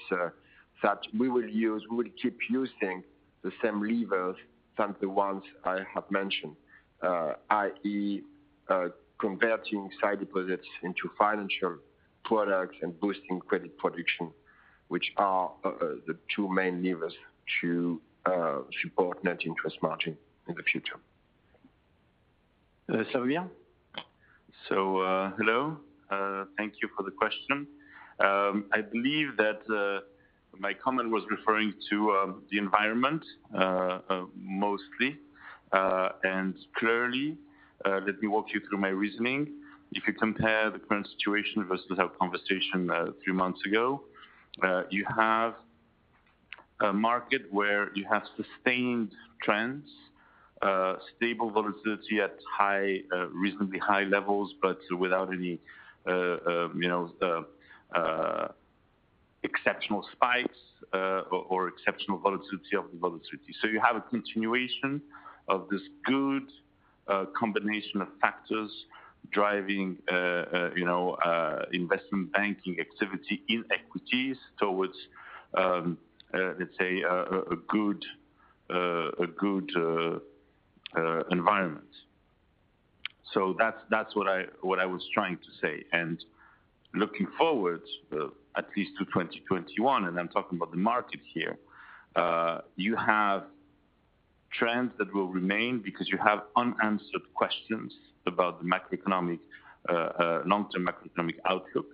H: that we will keep using the same levers than the ones I have mentioned. I.e., converting side deposits into financial products and boosting credit production, which are the two main levers to support net interest margin in the future.
B: Slawomir?
J: Hello. Thank you for the question. I believe that my comment was referring to the environment, mostly. Clearly, let me walk you through my reasoning. If you compare the current situation versus our conversation a few months ago, you have a market where you have sustained trends, stable volatility at reasonably high levels, but without any exceptional spikes or exceptional volatility of the volatility. You have a continuation of this good combination of factors driving investment banking activity in equities towards, let's say, a good environment. That's what I was trying to say. Looking forward, at least to 2021, and I'm talking about the market here, you have trends that will remain because you have unanswered questions about the long-term macroeconomic outlook,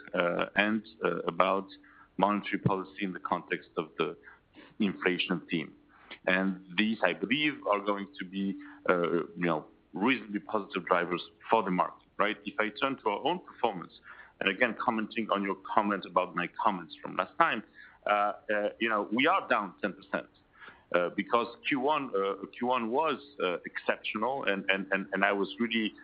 J: and about monetary policy in the context of the inflation theme. These, I believe, are going to be reasonably positive drivers for the market, right? If I turn to our own performance, and again, commenting on your comment about my comments from last time, we are down 10%, because Q1 was exceptional, and I was really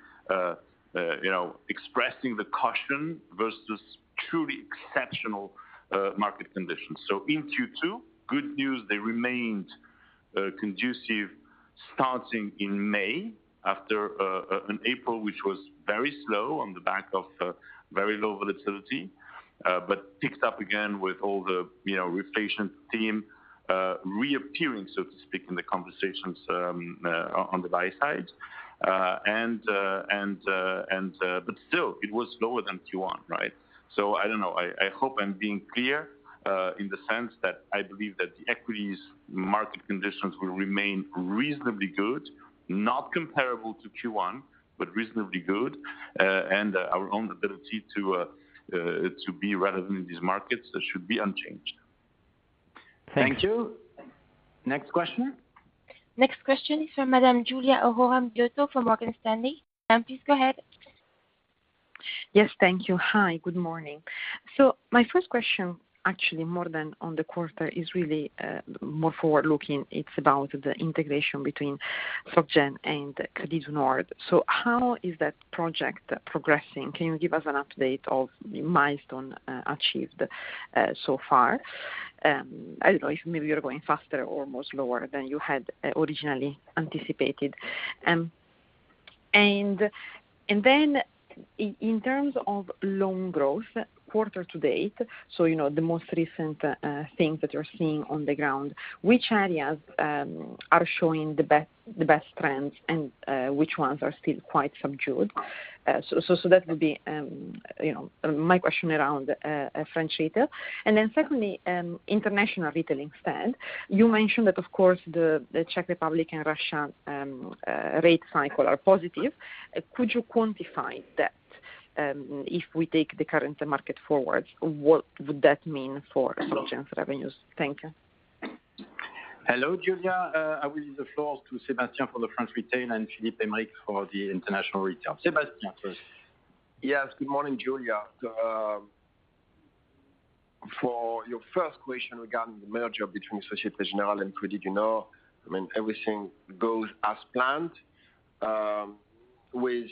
J: expressing the caution versus truly exceptional market conditions. In Q2, good news, they remained conducive starting in May, after an April, which was very slow on the back of very low volatility, but picked up again with all the reflation theme reappearing, so to speak, in the conversations on the buy side. Still, it was lower than Q1, right? I don't know. I hope I'm being clear, in the sense that I believe that the equities market conditions will remain reasonably good, not comparable to Q1, but reasonably good. Our own ability to be relevant in these markets should be unchanged.
B: Thank you. Next question.
A: Next question is from Madam Giulia Aurora Miotto from Morgan Stanley. Ma'am, please go ahead.
K: Yes, thank you. Hi, good morning. My first question, actually, more than on the quarter, is really more forward-looking. It's about the integration between Société and Crédit du Nord. How is that project progressing? Can you give us an update of milestones achieved so far? I don't know if maybe you're going faster or much slower than you had originally anticipated. In terms of loan growth quarter to date, so the most recent things that you're seeing on the ground, which areas are showing the best trends and which ones are still quite subdued? That would be my question around French retail. Secondly, international retailing spend. You mentioned that, of course, the Czech Republic and Russian rate cycle are positive. Could you quantify that? If we take the current market forward, what would that mean for Société Générale's revenues? Thank you.
B: Hello, Giulia. I will give the floor to Sébastien for the French Retail and Philippe Aymerich for the International Retail Banking. Sébastien first.
H: Yes, good morning, Giulia. For your first question regarding the merger between Société Générale and Crédit du Nord, everything goes as planned, with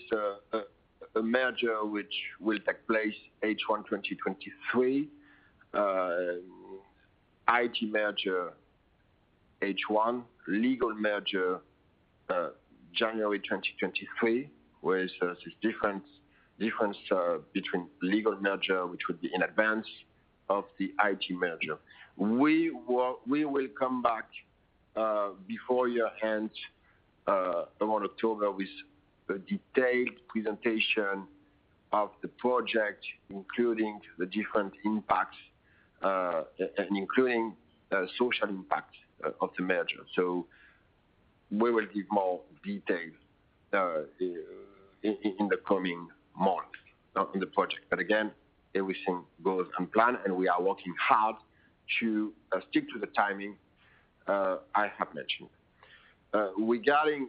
H: a merger which will take place H1 2023. IT merger H1, legal merger January 2023, where there's this difference between legal merger, which would be in advance of the IT merger. We will come back before your end of October with a detailed presentation of the project, including the different impacts, and including the social impact of the merger. We will give more details in the coming months in the project. Again, everything goes as planned, and we are working hard to stick to the timing I have mentioned. Regarding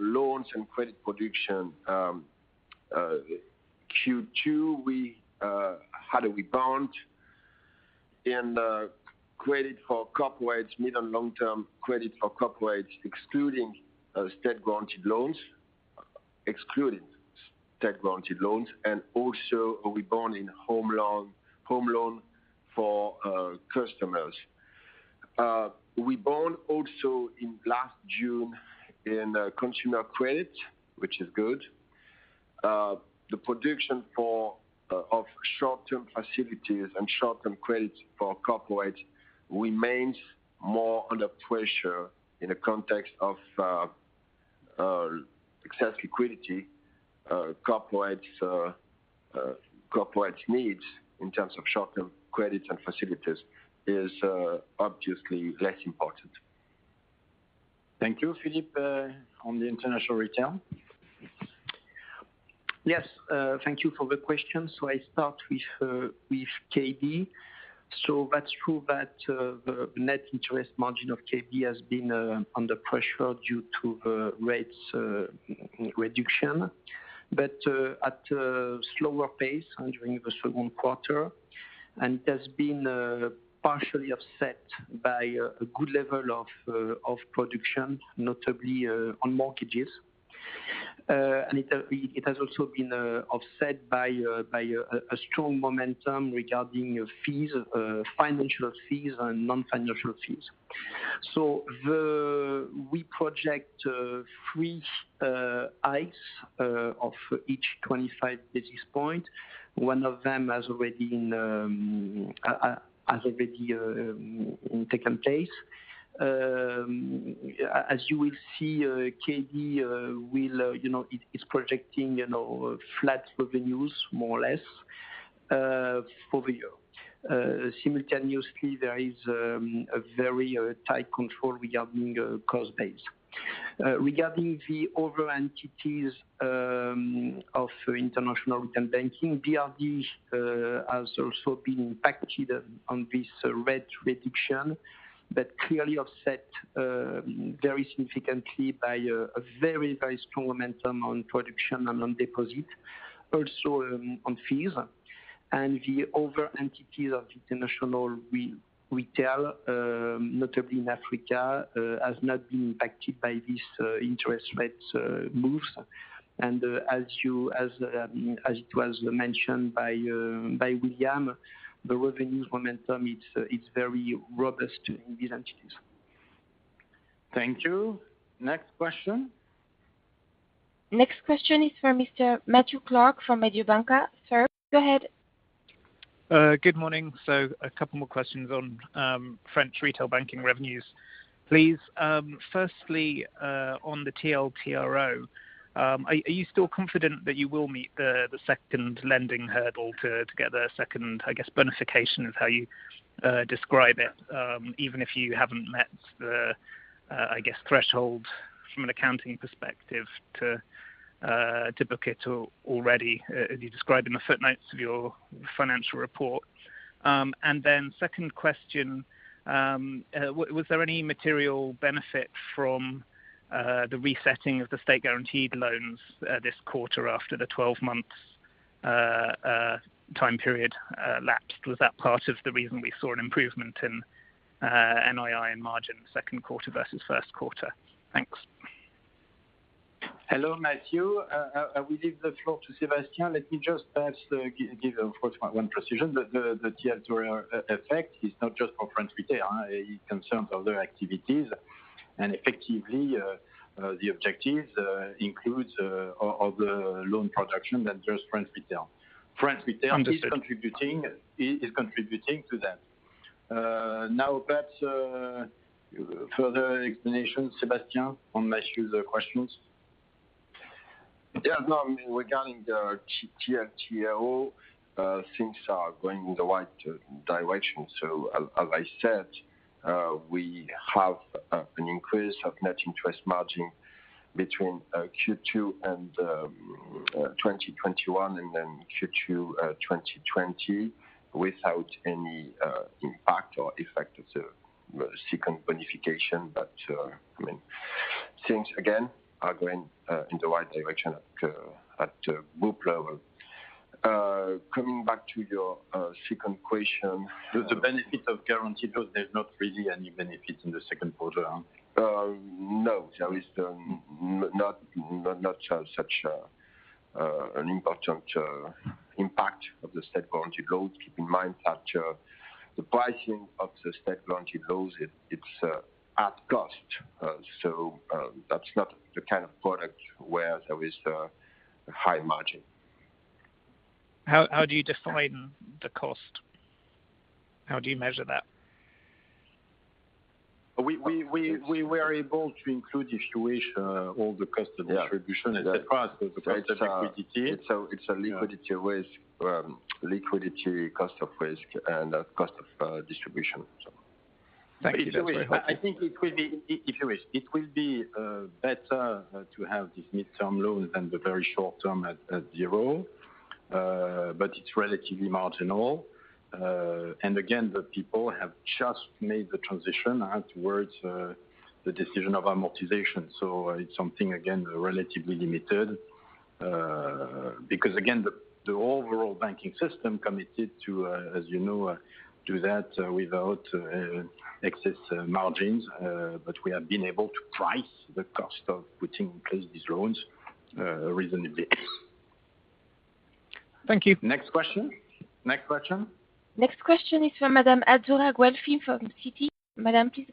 H: loans and credit production, Q2, how did we bounce? In credit for corporate, medium long-term credit for corporate, excluding state-guaranteed loans, and also reborn in home loan for customers. Reborn also in last June in consumer credit, which is good. The prediction of short-term facilities and short-term credit for corporate remains more under pressure in the context of excess liquidity. Corporate needs in terms of short-term credits and facilities is obviously less important. Thank you. Philippe, on the International Retail.
L: Yes. Thank you for the question. I start with KB. That's true that the net interest margin of KB has been under pressure due to rates reduction, but at a slower pace during the second quarter. It has been partially offset by a good level of production, notably on mortgages. It has also been offset by a strong momentum regarding financial fees and non-financial fees. We project three hikes of each 25 basis point. One of them has already taken place. As you will see, KB is projecting flat revenues, more or less, for the year. Simultaneously, there is a very tight control regarding cost base. Regarding the other entities of International Retail Banking, BRD has also been impacted on this rate reduction, but clearly offset very significantly by a very strong momentum on production and on deposit, also on fees. The other entities of International Retail, notably in Africa, has not been impacted by these interest rates moves. As it was mentioned by William, the revenues momentum, it's very robust in these entities.
B: Thank you. Next question.
A: Next question is for Mr. Matthew Clark from Mediobanca. Sir, go ahead.
M: Good morning. A couple more questions on French Retail Banking revenues, please. Firstly, on the TLTRO, are you still confident that you will meet the second lending hurdle to get a second, I guess, bonification is how you describe it, even if you haven't met the, I guess, threshold from an accounting perspective to book it already, as you describe in the footnotes of your financial report? Second question, was there any material benefit from the resetting of the state-guaranteed loans this quarter after the 12 months time period lapsed? Was that part of the reason we saw an improvement in NII and margin second quarter versus first quarter? Thanks.
B: Hello, Matthew. I will give the floor to Sébastien. Let me just perhaps give one precision, that the TLTRO effect is not just for French Retail. It concerns other activities, and effectively, the objective includes other loan production than just French Retail.
M: Understood
B: is contributing to that. Perhaps, further explanation, Sébastien, on Matthew's questions.
H: Yeah, no, I mean, regarding the TLTRO, things are going in the right direction. As I said, we have an increase of net interest margin between Q2 and 2021, and then Q2 2020, without any impact or effect of the second bonification. Things, again, are going in the right direction at group level. Coming back to your second question. The benefit of guaranteed loans, there's not really any benefit in the second quarter. No, there is not such an impact of the state-guaranteed loans. Keep in mind that the pricing of the state-guaranteed loans, it's at cost. That's not the kind of product where there is a high margin.
M: How do you define the cost? How do you measure that?
H: We were able to include if you wish all the cost of distribution as a part of the price of liquidity. It's a liquidity cost of risk, and a cost of distribution. Thank you. That's very helpful. If you wish, it will be better to have these midterm loans than the very short-term at zero. It's relatively marginal. Again, the people have just made the transition towards the decision of amortization. It's something, again, relatively limited. Again, the overall banking system committed to, as you know, do that without excess margins, but we have been able to price the cost of putting in place these loans reasonably.
M: Thank you.
B: Next question.
A: Next question is from Madam Azzurra Guelfi from Citi. Madam, please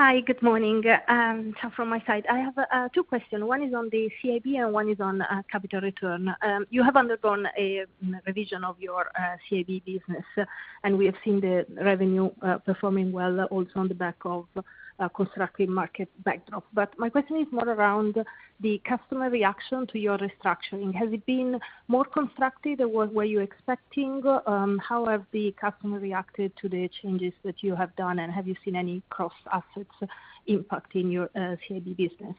A: go ahead.
N: Hi. Good morning. From my side, I have two questions. One is on the CIB, and one is on capital return. You have undergone a revision of your CIB business, and we have seen the revenue performing well also on the back of a constructive market backdrop. My question is more around the customer reaction to your restructuring. Has it been more constructive than what were you expecting? How have the customer reacted to the changes that you have done, and have you seen any cross assets impact in your CIB business?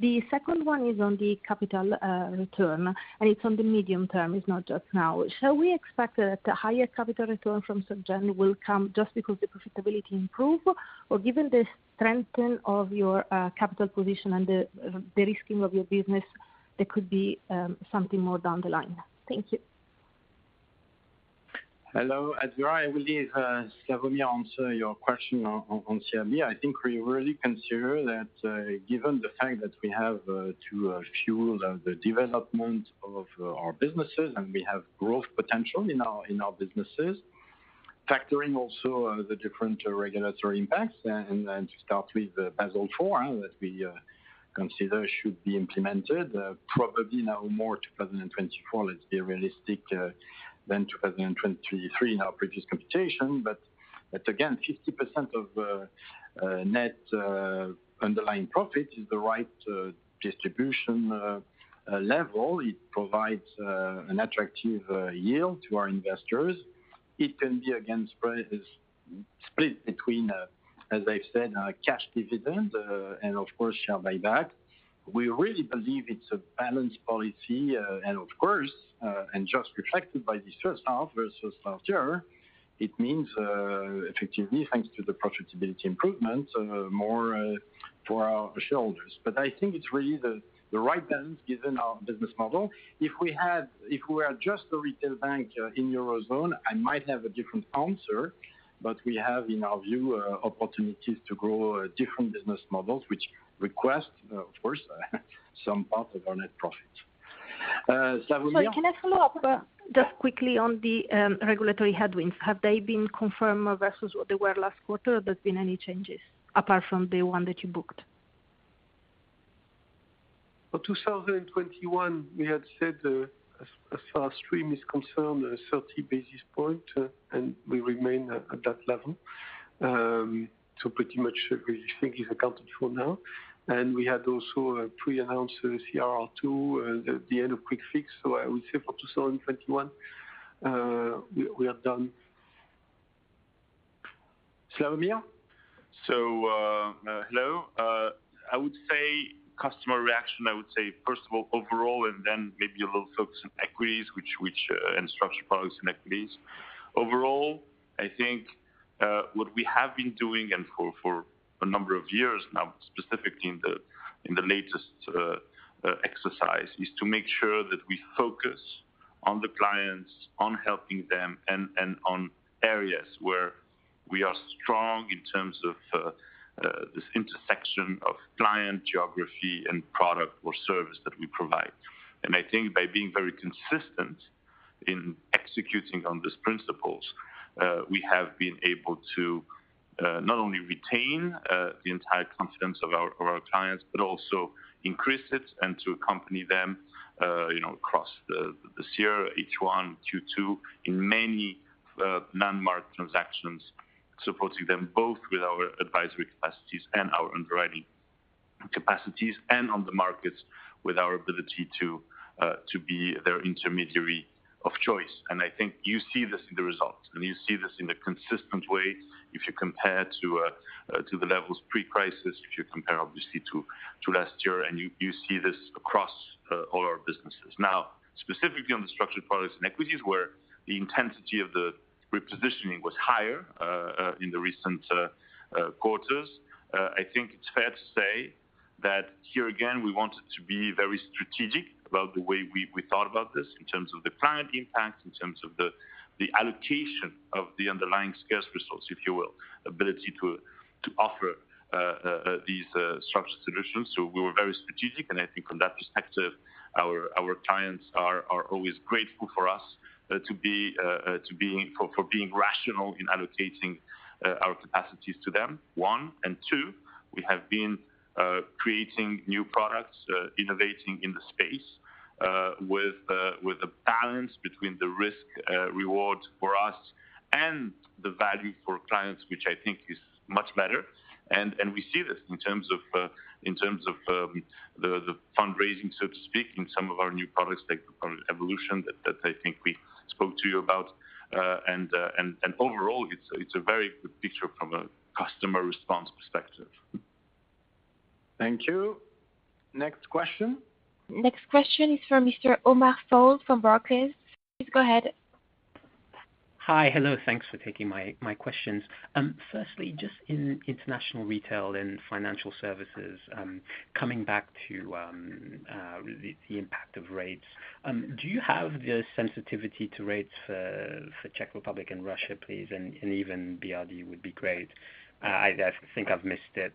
N: The second one is on the capital return, and it's on the medium term, it's not just now. Shall we expect that higher capital return from Société Générale will come just because the profitability improve? Given the strengthen of your capital position and the de-risking of your business, there could be something more down the line. Thank you.
B: Hello, Azzurra. I will leave Slawomir answer your question on CIB. I think we really consider that, given the fact that we have to fuel the development of our businesses, and we have growth potential in our businesses, factoring also the different regulatory impacts, and to start with Basel IV that we consider should be implemented, probably now more 2024, let's be realistic, than 2023 in our previous computation. Again, 50% of net underlying profit is the right distribution level. It provides an attractive yield to our investors. It can be again split between, as I've said, cash dividend, and of course, share buyback. We really believe it's a balanced policy, and of course, and just reflected by this first half versus last year, it means effectively, thanks to the profitability improvements, more for our shareholders. I think it's really the right balance given our business model. If we were just a retail bank in eurozone, I might have a different answer. We have, in our view, opportunities to grow different business models, which request, of course, some part of our net profit. Slawomir?
N: Sorry, can I follow up just quickly on the regulatory headwinds. Have they been confirmed versus what they were last quarter? Have there been any changes apart from the one that you booked?
C: For 2021, we had said as far as TRIM is concerned, 30 basis points, we remain at that level. Pretty much, we think it's accounted for now. We had also pre-announced CRR2 at the end of quick fix, I would say for 2021, we are done. Slawomir?
J: Hello. I would say customer reaction, I would say first of all, overall, and then maybe we'll focus on equities and structured products and equities. Overall, I think what we have been doing, and for a number of years now, specifically in the latest exercise, is to make sure that we focus on the clients, on helping them, and on areas where we are strong in terms of this intersection of client geography and product or service that we provide. I think by being very consistent in executing on these principles, we have been able to not only retain the entire confidence of our clients, but also increase it and to accompany them, across this year, H1, Q2, in many non-market transactions, supporting them both with our advisory capacities and our underwriting capacities, and on the markets with our ability to be their intermediary of choice. I think you see this in the results, and you see this in a consistent way if you compare to the levels pre-crisis, if you compare, obviously, to last year, and you see this across all our businesses. Specifically on the structured products and equities, where the intensity of the repositioning was higher, in the recent quarters, I think it's fair to say that here again, we wanted to be very strategic about the way we thought about this in terms of the client impact, in terms of the allocation of the underlying scarce resource, if you will, ability to offer these structured solutions. We were very strategic, and I think from that perspective, our clients are always grateful for us for being rational in allocating our capacities to them, one. Two, we have been creating new products, innovating in the space, with a balance between the risk/reward for us and the value for clients, which I think is much better. We see this in terms of the fundraising, so to speak, in some of our new products like the product evolution that I think we spoke to you about. Overall, it's a very good picture from a customer response perspective.
B: Thank you. Next question.
A: Next question is from Mr. Amit Goel from Barclays. Please go ahead.
O: Hi. Hello, thanks for taking my questions. Firstly, just in International Retail and Financial Services, coming back to the impact of rates, do you have the sensitivity to rates for Czech Republic and Russia, please, and even BRD would be great. I may have missed it,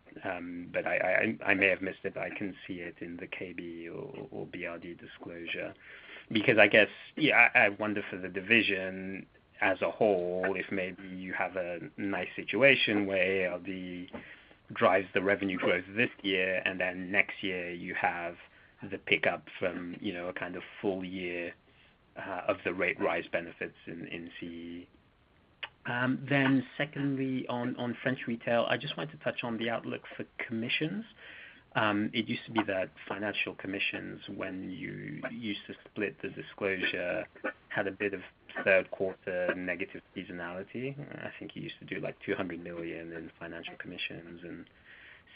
O: but I can see it in the KB or BRD disclosure. I wonder for the division as a whole, if maybe you have a nice situation where BRD drives the revenue growth this year, and then next year you have the pickup from a kind of full year of the rate rise benefits in CEE. Secondly, on French Retail, I just wanted to touch on the outlook for commissions. It used to be that financial commissions, when you used to split the disclosure, had a bit of third quarter negative seasonality. I think you used to do like 200 million in financial commissions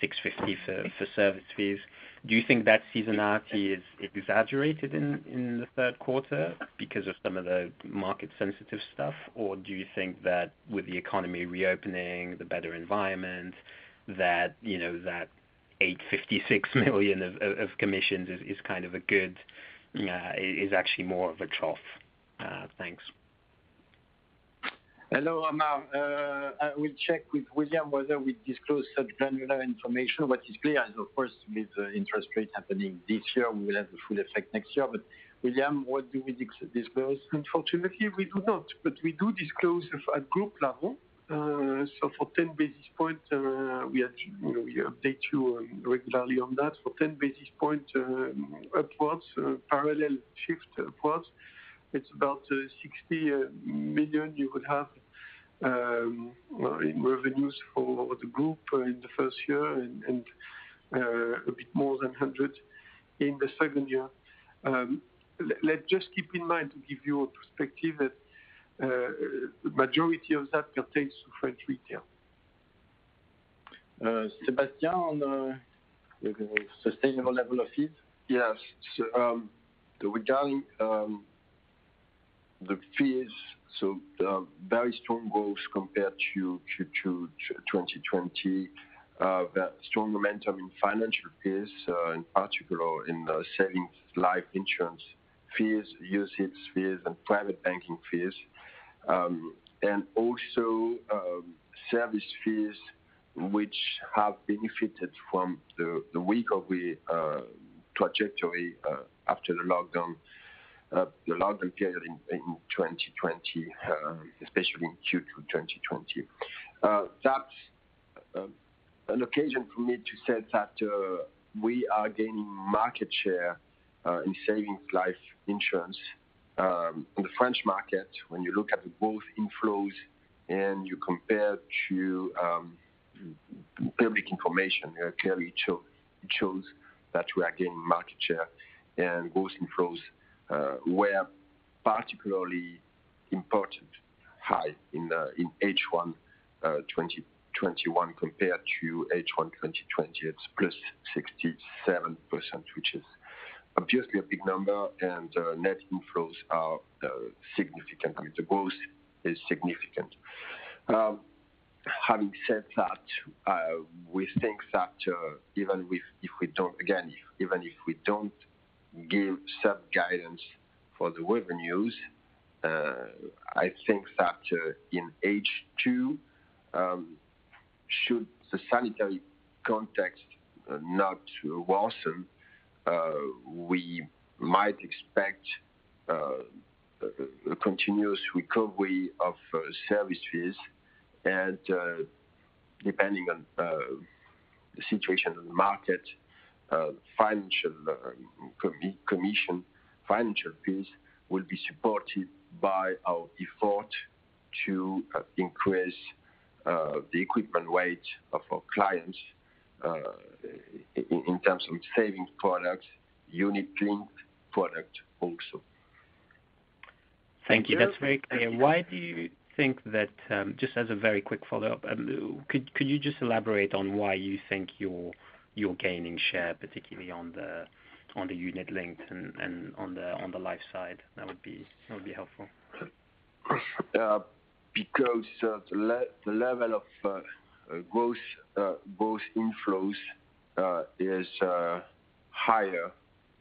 O: and 650 for service fees. Do you think that seasonality is exaggerated in the third quarter because of some of the market sensitive stuff? Do you think that with the economy reopening, the better environment, that 856 million of commissions is actually more of a trough? Thanks.
B: Hello, Amit. I will check with William whether we disclose such granular information. It's clear as, of course, with the interest rates happening this year, we will have the full effect next year. William, what do we disclose?
C: Unfortunately, we do not. We do disclose at group level. For 10 basis points, we update you regularly on that. For 10 basis points upwards, parallel shift upwards, it's about 60 million you could have in revenues for the group in the first year and a bit more than 100 million in the second year. Let's just keep in mind, to give you a perspective, that the majority of that contains French Retail.
B: Sébastien, on the sustainable level of fees.
H: Yes. The retail fees. Very strong growth compared to 2020. Strong momentum in financial fees, in particular in savings, life insurance fees, usage fees, and private banking fees. Service fees, which have benefited from the weak recovery trajectory after the lockdown period in 2020, especially in Q2 2020. That's an occasion for me to say that we are gaining market share in savings life insurance in the French market. When you look at both inflows and you compare to public information, it clearly shows that we are gaining market share and gross inflows were particularly important, high in H1 2021 compared to H1 2020. It's +67%, which is obviously a big number, and net inflows are significant. The gross is significant. Having said that, we think that even if we don't give sub-guidance for the revenues, I think that in H2, should sanitary context not worsen, we might expect a continuous recovery of service fees and, depending on the situation in the market, financial commission, financial fees will be supported by our effort to increase the equipment weight of our clients in terms of savings product, unit linked product also.
O: Thank you. That's very clear. Just as a very quick follow-up, could you just elaborate on why you think you're gaining share, particularly on the unit linked and on the life side? That would be helpful.
H: The level of gross inflows is higher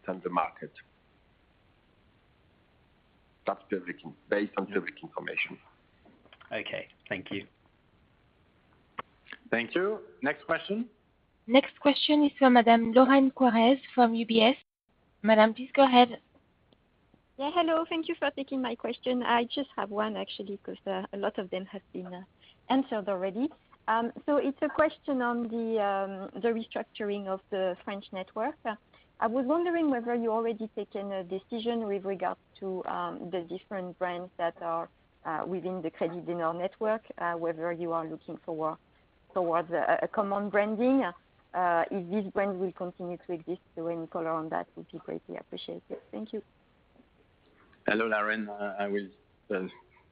H: than the market. That's based on public information.
O: Okay. Thank you.
B: Thank you. Next question.
A: Next question is from Madam Lorraine Quoirez from UBS. Madam, please go ahead.
P: Yeah, hello. Thank you for taking my question. I just have one actually, because a lot of them have been answered already. It's a question on the restructuring of the French network. I was wondering whether you already taken a decision with regards to the different brands that are within the Crédit du Nord network, whether you are looking towards a common branding, if this brand will continue to exist. Any color on that would be greatly appreciated. Thank you.
B: Hello, Lorraine. I will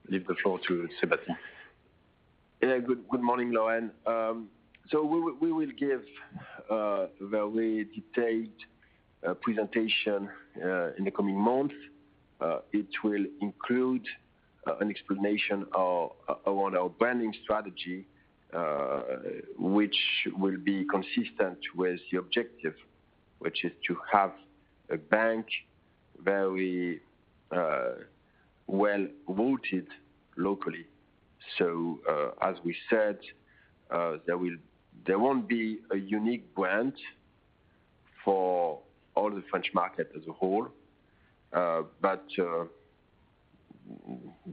B: leave the floor to Sébastien.
H: Good morning, Lorraine. We will give a very detailed presentation in the coming month. It will include an explanation on our branding strategy, which will be consistent with the objective, which is to have a bank very well-rooted locally. As we said, there won't be a unique brand for all the French market as a whole.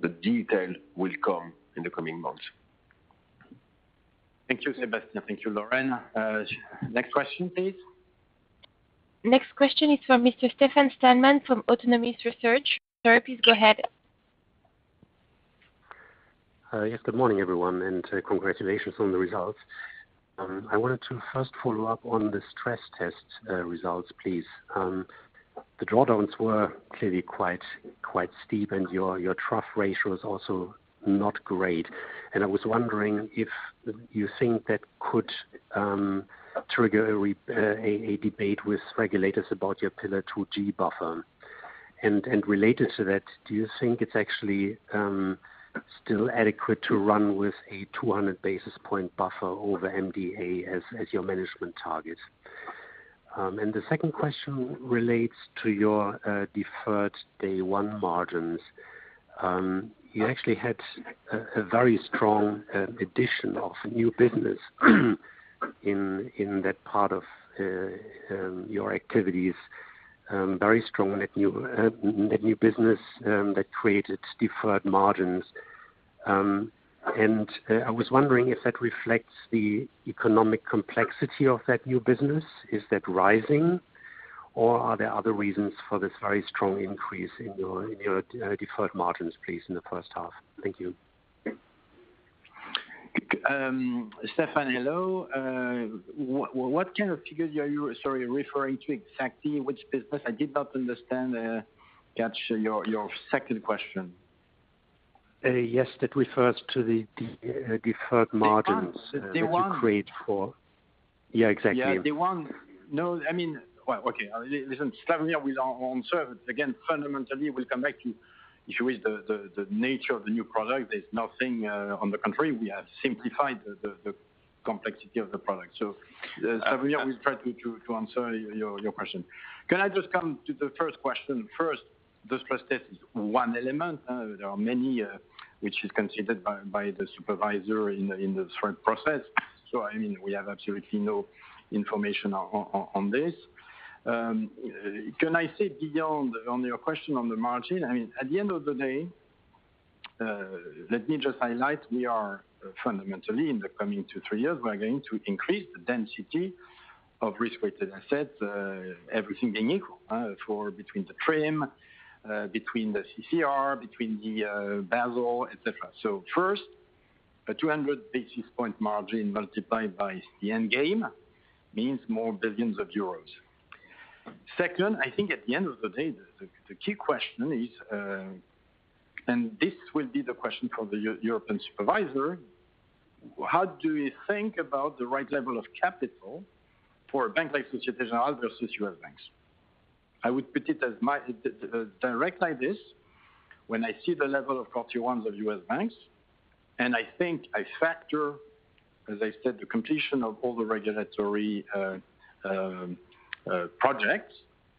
H: The detail will come in the coming months.
B: Thank you, Sébastien. Thank you, Lorraine. Next question, please.
A: Next question is for Mr. Stefan Stalmann from Autonomous Research. Sir, please go ahead.
Q: Yes. Good morning, everyone, congratulations on the results. I wanted to first follow up on the stress test results, please. The drawdowns were clearly quite steep, your trough ratio is also not great. I was wondering if you think that could trigger a debate with regulators about your Pillar 2G buffer. Related to that, do you think it's actually still adequate to run with a 200-basis-point buffer over MDA as your management target? The second question relates to your deferred day one margins. You actually had a very strong addition of new business in that part of your activities, very strong net new business that created deferred margins. I was wondering if that reflects the economic complexity of that new business. Is that rising, or are there other reasons for this very strong increase in your deferred margins, please, in the first half? Thank you.
B: Stefan, hello. What kind of figures are you, sorry, referring to exactly? Which business? I did not understand, catch your second question.
Q: Yes, that refers to the deferred margins.
B: The one-
Q: that you create for. Yeah, exactly.
B: Yeah, the one. No. Okay. Listen, Stefan, we don't want to. Fundamentally, we come back to the issue is the nature of the new product. There's nothing on the contrary. We have simplified the complexity of the product, are we starting to answer your question? Can I just come to the first question first? The stress test is one element. There are many, which is considered by the supervisor in the stress process. We have absolutely no information on this. Can I say, [Didier], on your question on the margin, at the end of the day, let me just highlight, we are fundamentally, in the coming two, three years, we are going to increase the density of risk-weighted assets, everything being equal, for between the TRIM, between the CRR, between the Basel, et cetera. First, a 200 basis point margin multiplied by the end game means more billions of EUR. Second, I think at the end of the day, the key question is, and this will be the question for the European supervisor, how do you think about the right level of capital for a bank like Société Générale versus U.S. banks? I would put it as direct like this. When I see the level of Tier 1s of U.S. banks, and I think I factor, as I said, the completion of all the regulatory projects,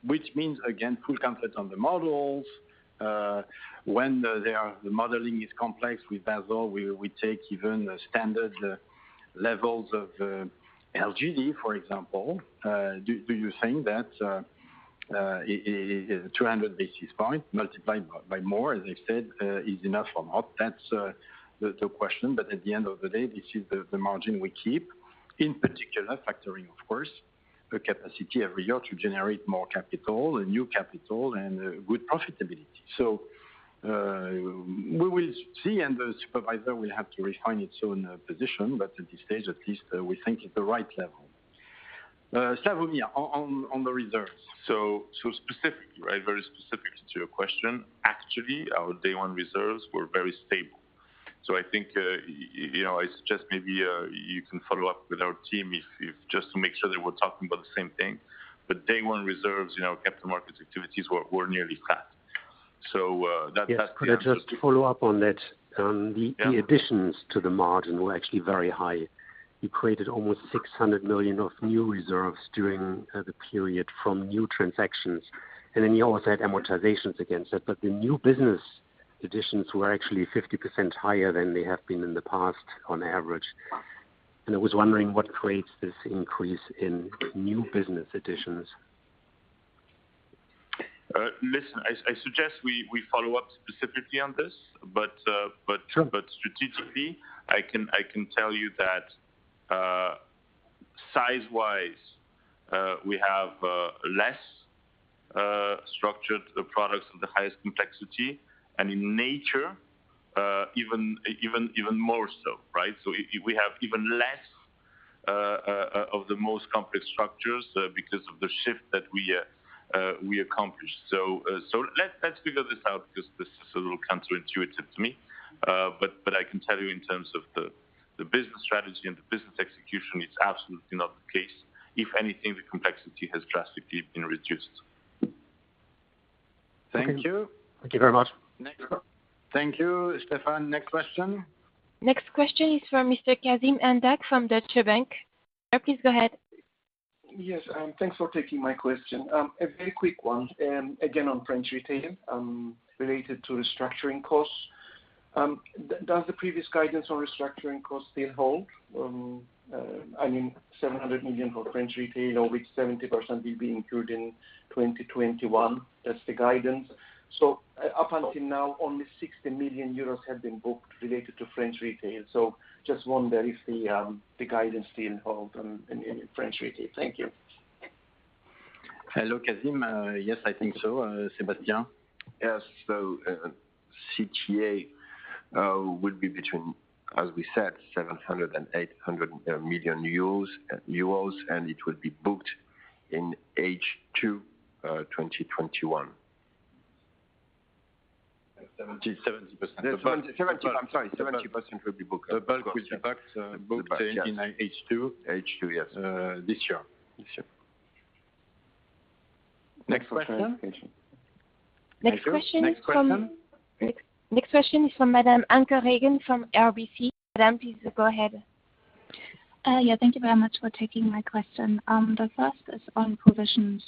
B: which means, again, full comfort on the models. When the modeling is complex with Basel, we take even the standard levels of LGD, for example. Do you think that 200 basis point multiplied by more, as I said, is enough or not? That's the question. At the end of the day, this is the margin we keep, in particular, factoring, of course, the capacity every year to generate more capital, new capital, and good profitability. We will see, and the supervisor will have to refine its own position. At this stage, at least, we think it's the right level. Slawomir, on the reserves.
J: Specifically, right, very specific to your question, actually, our day one reserves were very stable. I think, it's just maybe you can follow up with our team just to make sure that we're talking about the same thing. Day one reserves, our capital markets activities were nearly flat.
Q: Yes. Could I just follow up on that?
J: Yeah.
Q: The additions to the margin were actually very high. You created almost 600 million of new reserves during the period from new transactions. Then you also had amortizations against that. The new business additions were actually 50% higher than they have been in the past on average. I was wondering what creates this increase in new business additions?
J: Listen, I suggest we follow up specifically on this.
Q: Sure
J: Strategically, I can tell you that size-wise, we have less structured the products of the highest complexity, and in nature, even more so, right? We have even less of the most complex structures because of the shift that we accomplished. Let's figure this out, because this is a little counterintuitive to me. I can tell you in terms of the business strategy and the business execution, it's absolutely not the case. If anything, the complexity has drastically been reduced. Thank you.
Q: Thank you very much.
B: Next call. Thank you, Stefan. Next question.
A: Next question is for Mr. Kazim Andac from Deutsche Bank. Sir, please go ahead.
R: Yes, thanks for taking my question. A very quick one, again, on French Retail, related to restructuring costs. Does the previous guidance on restructuring costs still hold? I mean, 700 million for French Retail, of which 70% will be included in 2021. That's the guidance. Up until now, only 60 million euros have been booked related to French Retail. Just wonder if the guidance still hold in French Retail. Thank you.
B: Hello, Kazim. Yes, I think so. Sébastien?
H: Yes. CTA would be between, as we said, 700 million euros and 800 million euros, and it will be booked in H2 2021.
B: 70%.
H: I'm sorry, 70% will be booked.
B: But with the backed booked-
H: The backed, yes.
B: in H2.
H: H2, yes.
B: This year.
H: This year.
B: Next question.
A: Next question.
B: Next question.
A: Next question is from Madam Anke Reingen from RBC. Madam, please go ahead.
S: Thank you very much for taking my question. The first is on provisions.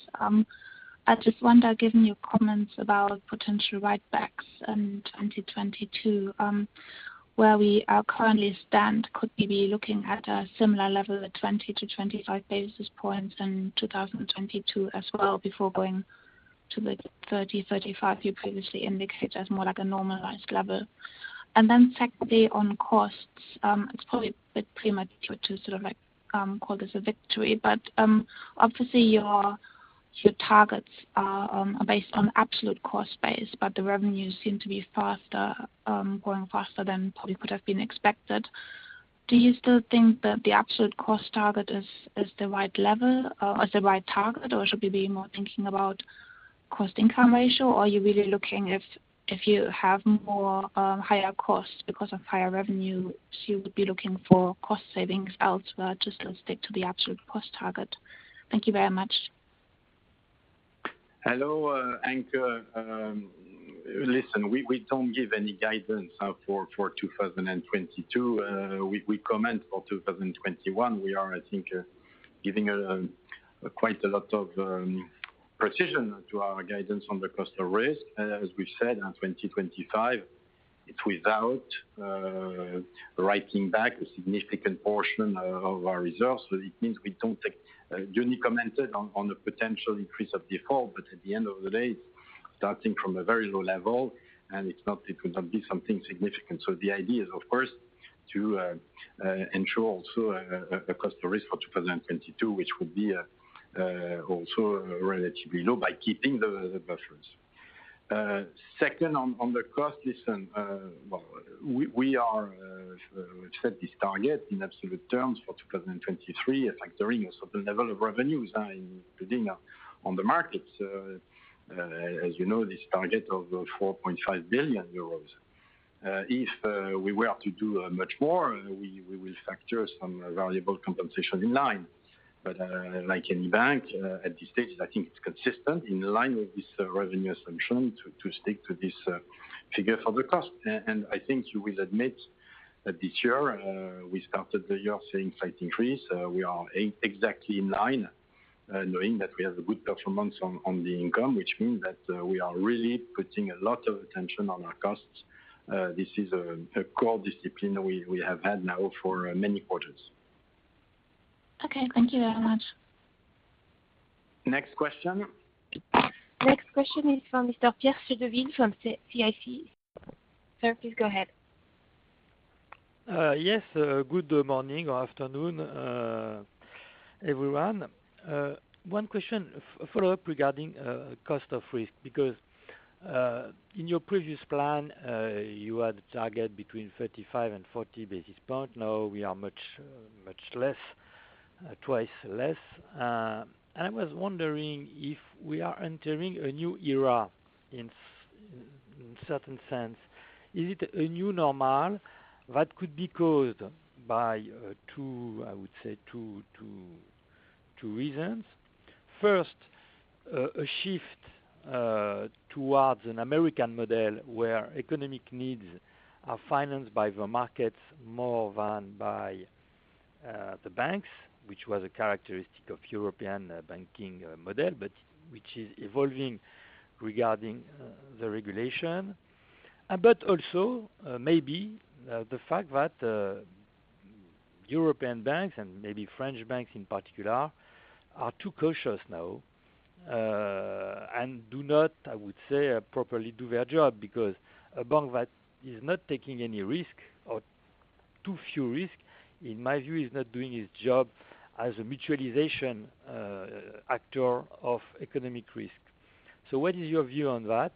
S: I just wonder, given your comments about potential write-backs in 2022, where we are currently stand, could we be looking at a similar level of 20-25 basis points in 2022 as well before going to the 30, 35 you previously indicated as more like a normalized level? Secondly, on costs, it's probably a bit premature to sort of call this a victory, but obviously your targets are based on absolute cost base, but the revenues seem to be growing faster than probably could have been expected. Do you still think that the absolute cost target is the right target, or should we be more thinking about cost-income ratio? Are you really looking if you have more higher costs because of higher revenue, you would be looking for cost savings elsewhere, just to stick to the absolute cost target? Thank you very much.
B: Hello, Anke. We don't give any guidance for 2022. We comment for 2021. We are, I think, giving quite a lot of precision to our guidance on the cost of risk. As we've said, on 2025, it's without writing back a significant portion of our results. It means we don't take Diony commented on the potential increase of default, at the end of the day, starting from a very low level, it's not it will be something significant. The idea is of course, to ensure also a cost of risk for 2022, which will be also relatively low, by keeping the buffers. Second, on the cost, we are, as we said, this target in absolute terms for 2023 is like the renewal. The level of revenues are increasing on the market. As you know, this target of those 4.5 billion euros. If we were to do much more, we will factor some valuable compensation in line. Like any bank at this stage, I think it's consistent in line with this revenue assumption to stick to this figure for the cost. I think you will admit that this year, we started the year seeing slight increase. We are exactly in line, knowing that we have a good performance on the income, which means that we are really putting a lot of attention on our costs. This is a core discipline we have had now for many quarters.
S: Okay. Thank you very much.
B: Next question.
A: Next question is from Mr. Pierre Chédeville from CIC. Sir, please go ahead.
T: Yes. Good morning or afternoon, everyone. One question, a follow-up regarding cost of risk, because in your previous plan, you had a target between 35 and 40 basis points. Now we are much less, twice less. I was wondering if we are entering a new era in certain sense. Is it a new normal that could be caused by, I would say, two reasons? First, a shift towards an American model where economic needs are financed by the markets more than by the banks, which was a characteristic of European banking model, but which is evolving regarding the regulation. Also, maybe the fact that European banks, and maybe French banks in particular, are too cautious now, and do not, I would say, properly do their job, because a bank that is not taking any risk or too few risk, in my view, is not doing its job as a mutualization actor of economic risk. What is your view on that?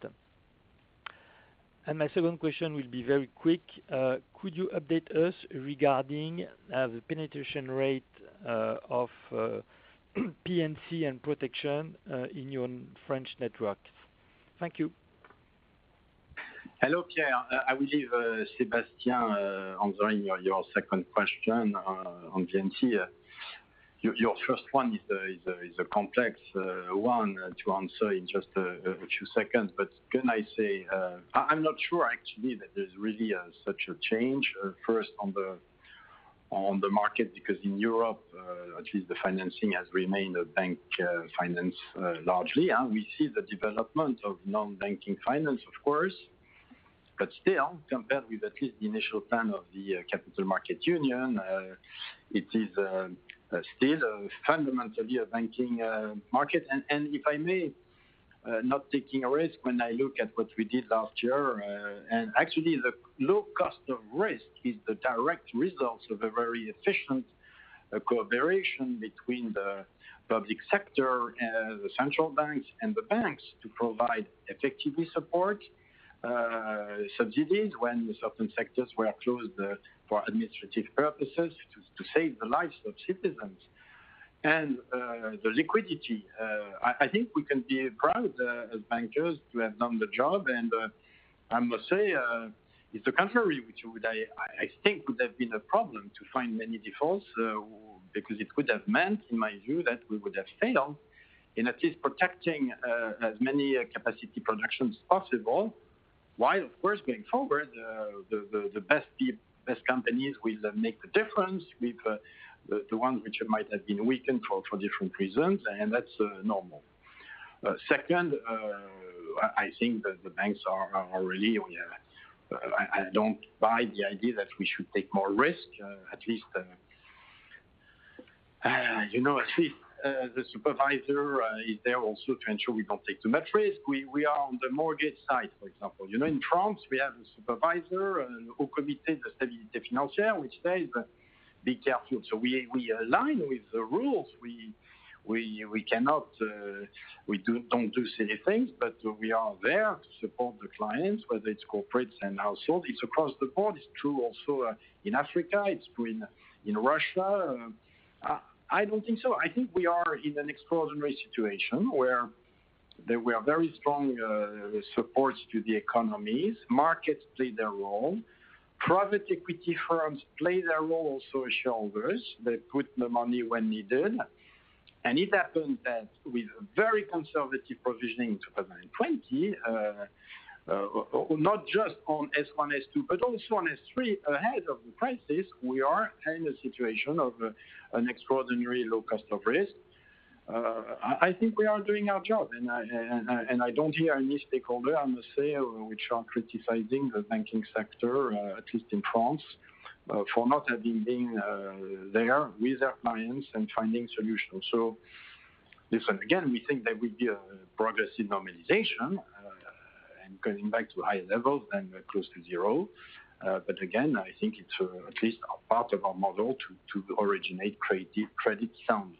T: My second question will be very quick. Could you update us regarding the penetration rate of P&C and protection in your French network? Thank you.
B: Hello, Pierre. I will leave Sébastien answering your second question on P&C. Your first one is a complex one to answer in just two seconds. Can I say, I'm not sure actually that there's really such a change, first on the market, because in Europe, actually the financing has remained a bank finance largely. We see the development of non-banking finance, of course, but still, compared with at least the initial plan of the Capital Markets Union, it is still a fundamentally a banking market. If I may, not taking a risk when I look at what we did last year. Actually, the low cost of risk is the direct result of a very efficient cooperation between the public sector, the central banks, and the banks to provide effective support, subsidies when certain sectors were closed for administrative purposes to save the lives of citizens, and the liquidity. I think we can be proud as bankers to have done the job. I must say, it's a contrary which I think would have been a problem to find many defaults, because it would have meant, in my view, that we would have failed in at least protecting as many capacity productions possible. Of course, going forward, the best companies will make the difference with the ones which might have been weakened for different reasons, and that's normal. Second, I think that the banks are already on it. I don't buy the idea that we should take more risk, at least as a supervisor, is there also to ensure we don't take too much risk. We are on the mortgage side, for example. In France, we have a supervisor, Haut Conseil de Stabilité Financière, which stays very careful. We align with the rules. We don't do silly things, but we are there to support the clients, whether it's corporates and households. It's across the board. It's true also in Africa. It's true in Russia. I don't think so. I think we are in an extraordinary situation where there were very strong supports to the economies. Markets play their role. Private equity firms play their role also as shareholders. They put the money when needed. It happened that with very conservative provisioning in 2020, not just on S1, S2, but also on S3 ahead of the crisis, we are in a situation of an extraordinary low cost of risk. I think we are doing our job, and I don't hear any stakeholder, I must say, which are criticizing the banking sector, at least in France, for not have been there with their clients and finding solutions. Different. We think that we give progress in normalization, and going back to higher levels and close to zero. I think it's at least a part of our model to originate credit soundly.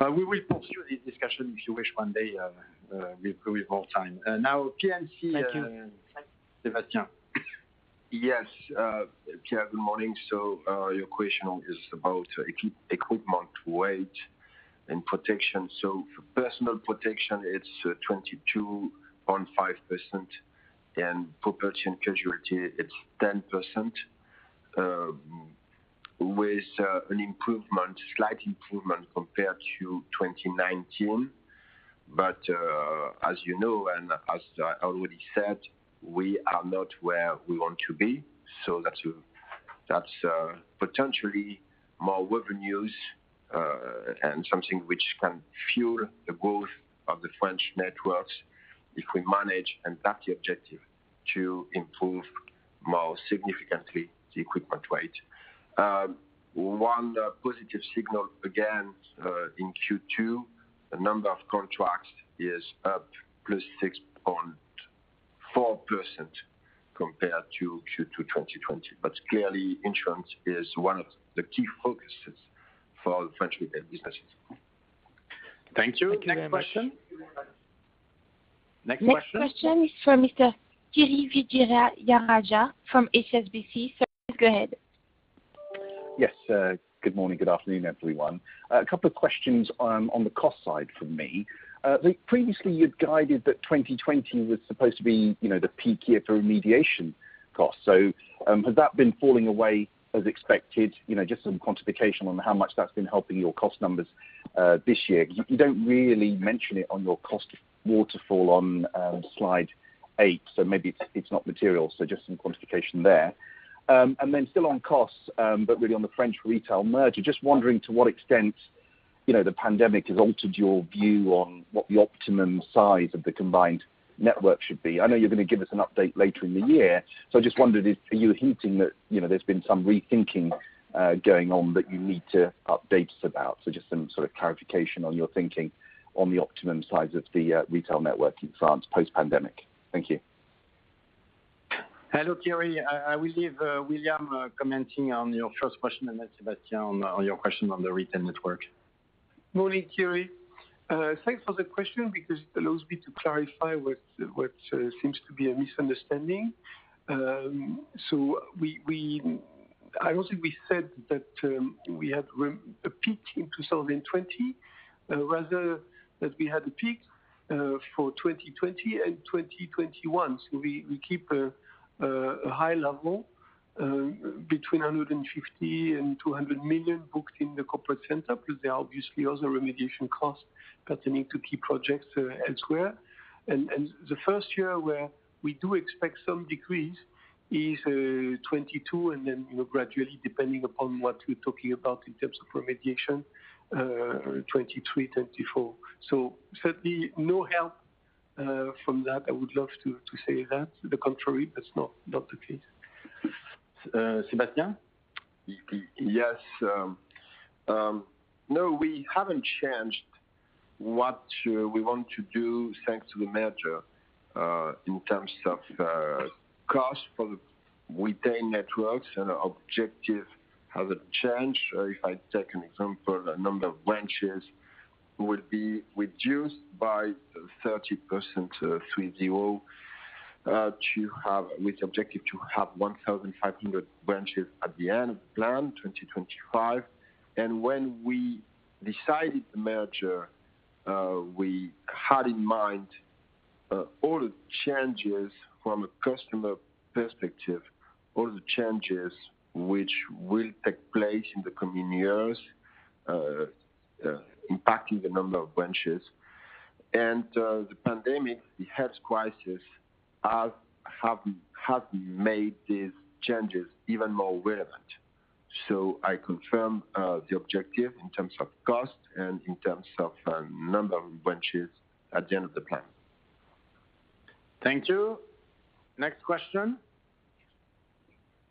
B: We will pursue this discussion, if you wish, one day, because we've held time.
T: Thank you.
B: Sébastien.
H: Yes. Pierre, good morning. Your question is about equipment weight and protection. For personal protection, it's 22.5%, and for property and casualty, it's 10% with a slight improvement compared to 2019. As you know, and as I already said, we are not where we want to be. That's potentially more work in use, and something which can fuel the growth of the French networks if we manage, and that's the objective, to improve more significantly the equipment weight. One positive signal, again, in Q2, the number of contracts is up +6.4% compared to Q2 2020. Clearly, insurance is one of the key focuses for our French retail businesses.
B: Thank you. Next question.
T: Thank you very much.
B: Next question.
A: Next question is from Mr. Kiri Vijayarajah from HSBC. Sir, go ahead.
U: Yes, good morning. Good afternoon, everyone. A couple of questions on the cost side from me. I think previously you'd guided that 2020 was supposed to be the peak year for remediation costs. Has that been falling away as expected? Just some quantification on how much that's been helping your cost numbers this year. You don't really mention it on your cost waterfall on slide eight, so maybe it's not material. Just some quantification there. Still on costs, but really on the French Retail merge, just wondering to what extent the pandemic has altered your view on what the optimum size of the combined network should be. I know you're going to give us an update later in the year, so I just wondered, are you hinting that there's been some rethinking going on that you need to update us about? Just some sort of clarification on your thinking on the optimum size of the retail network in France post-pandemic. Thank you.
B: Hello, Kiri. I will leave William commenting on your first question and Sébastien on your question on the retail network.
C: Morning, Kiri. Thanks for the question, because it allows me to clarify what seems to be a misunderstanding. I don't think we said that we had a peak in 2020, rather that we had a peak for 2020 and 2021. We keep a high level between 150 million and 200 million booked in the corporate center because there are obviously also remediation costs continuing to key projects elsewhere. The first year where we do expect some decrease is 2022, then gradually, depending upon what we're talking about in terms of remediation, 2023, 2024. Certainly no help from that. I would love to say that. To the contrary, that's not the case.
B: Sébastien?
H: Yes. No, we haven't changed what we want to do thanks to the merger. In terms of cost for the retail networks and our objective hasn't changed. If I take an example, the number of branches will be reduced by 30% to [30]. With the objective to have 1,500 branches at the end of the plan, 2025. When we decided the merger, we had in mind all the changes from a customer perspective, all the changes which will take place in the coming years, impacting the number of branches. The pandemic, the health crisis, has made these changes even more relevant. I confirm the objective in terms of cost and in terms of number of branches at the end of the plan.
B: Thank you. Next question.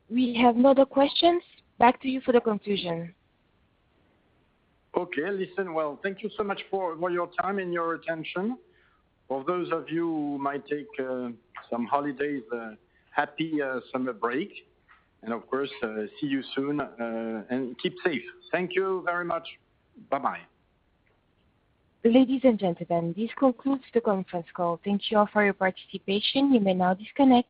A: We have no other questions. Back to you for the conclusion.
B: Okay. Listen, well, thank you so much for your time and your attention. For those of you who might take some holidays, happy summer break. Of course, see you soon, and keep safe. Thank you very much. Bye-bye.
A: Ladies and gentlemen, this concludes the conference call. Thank you all for your participation. You may now disconnect.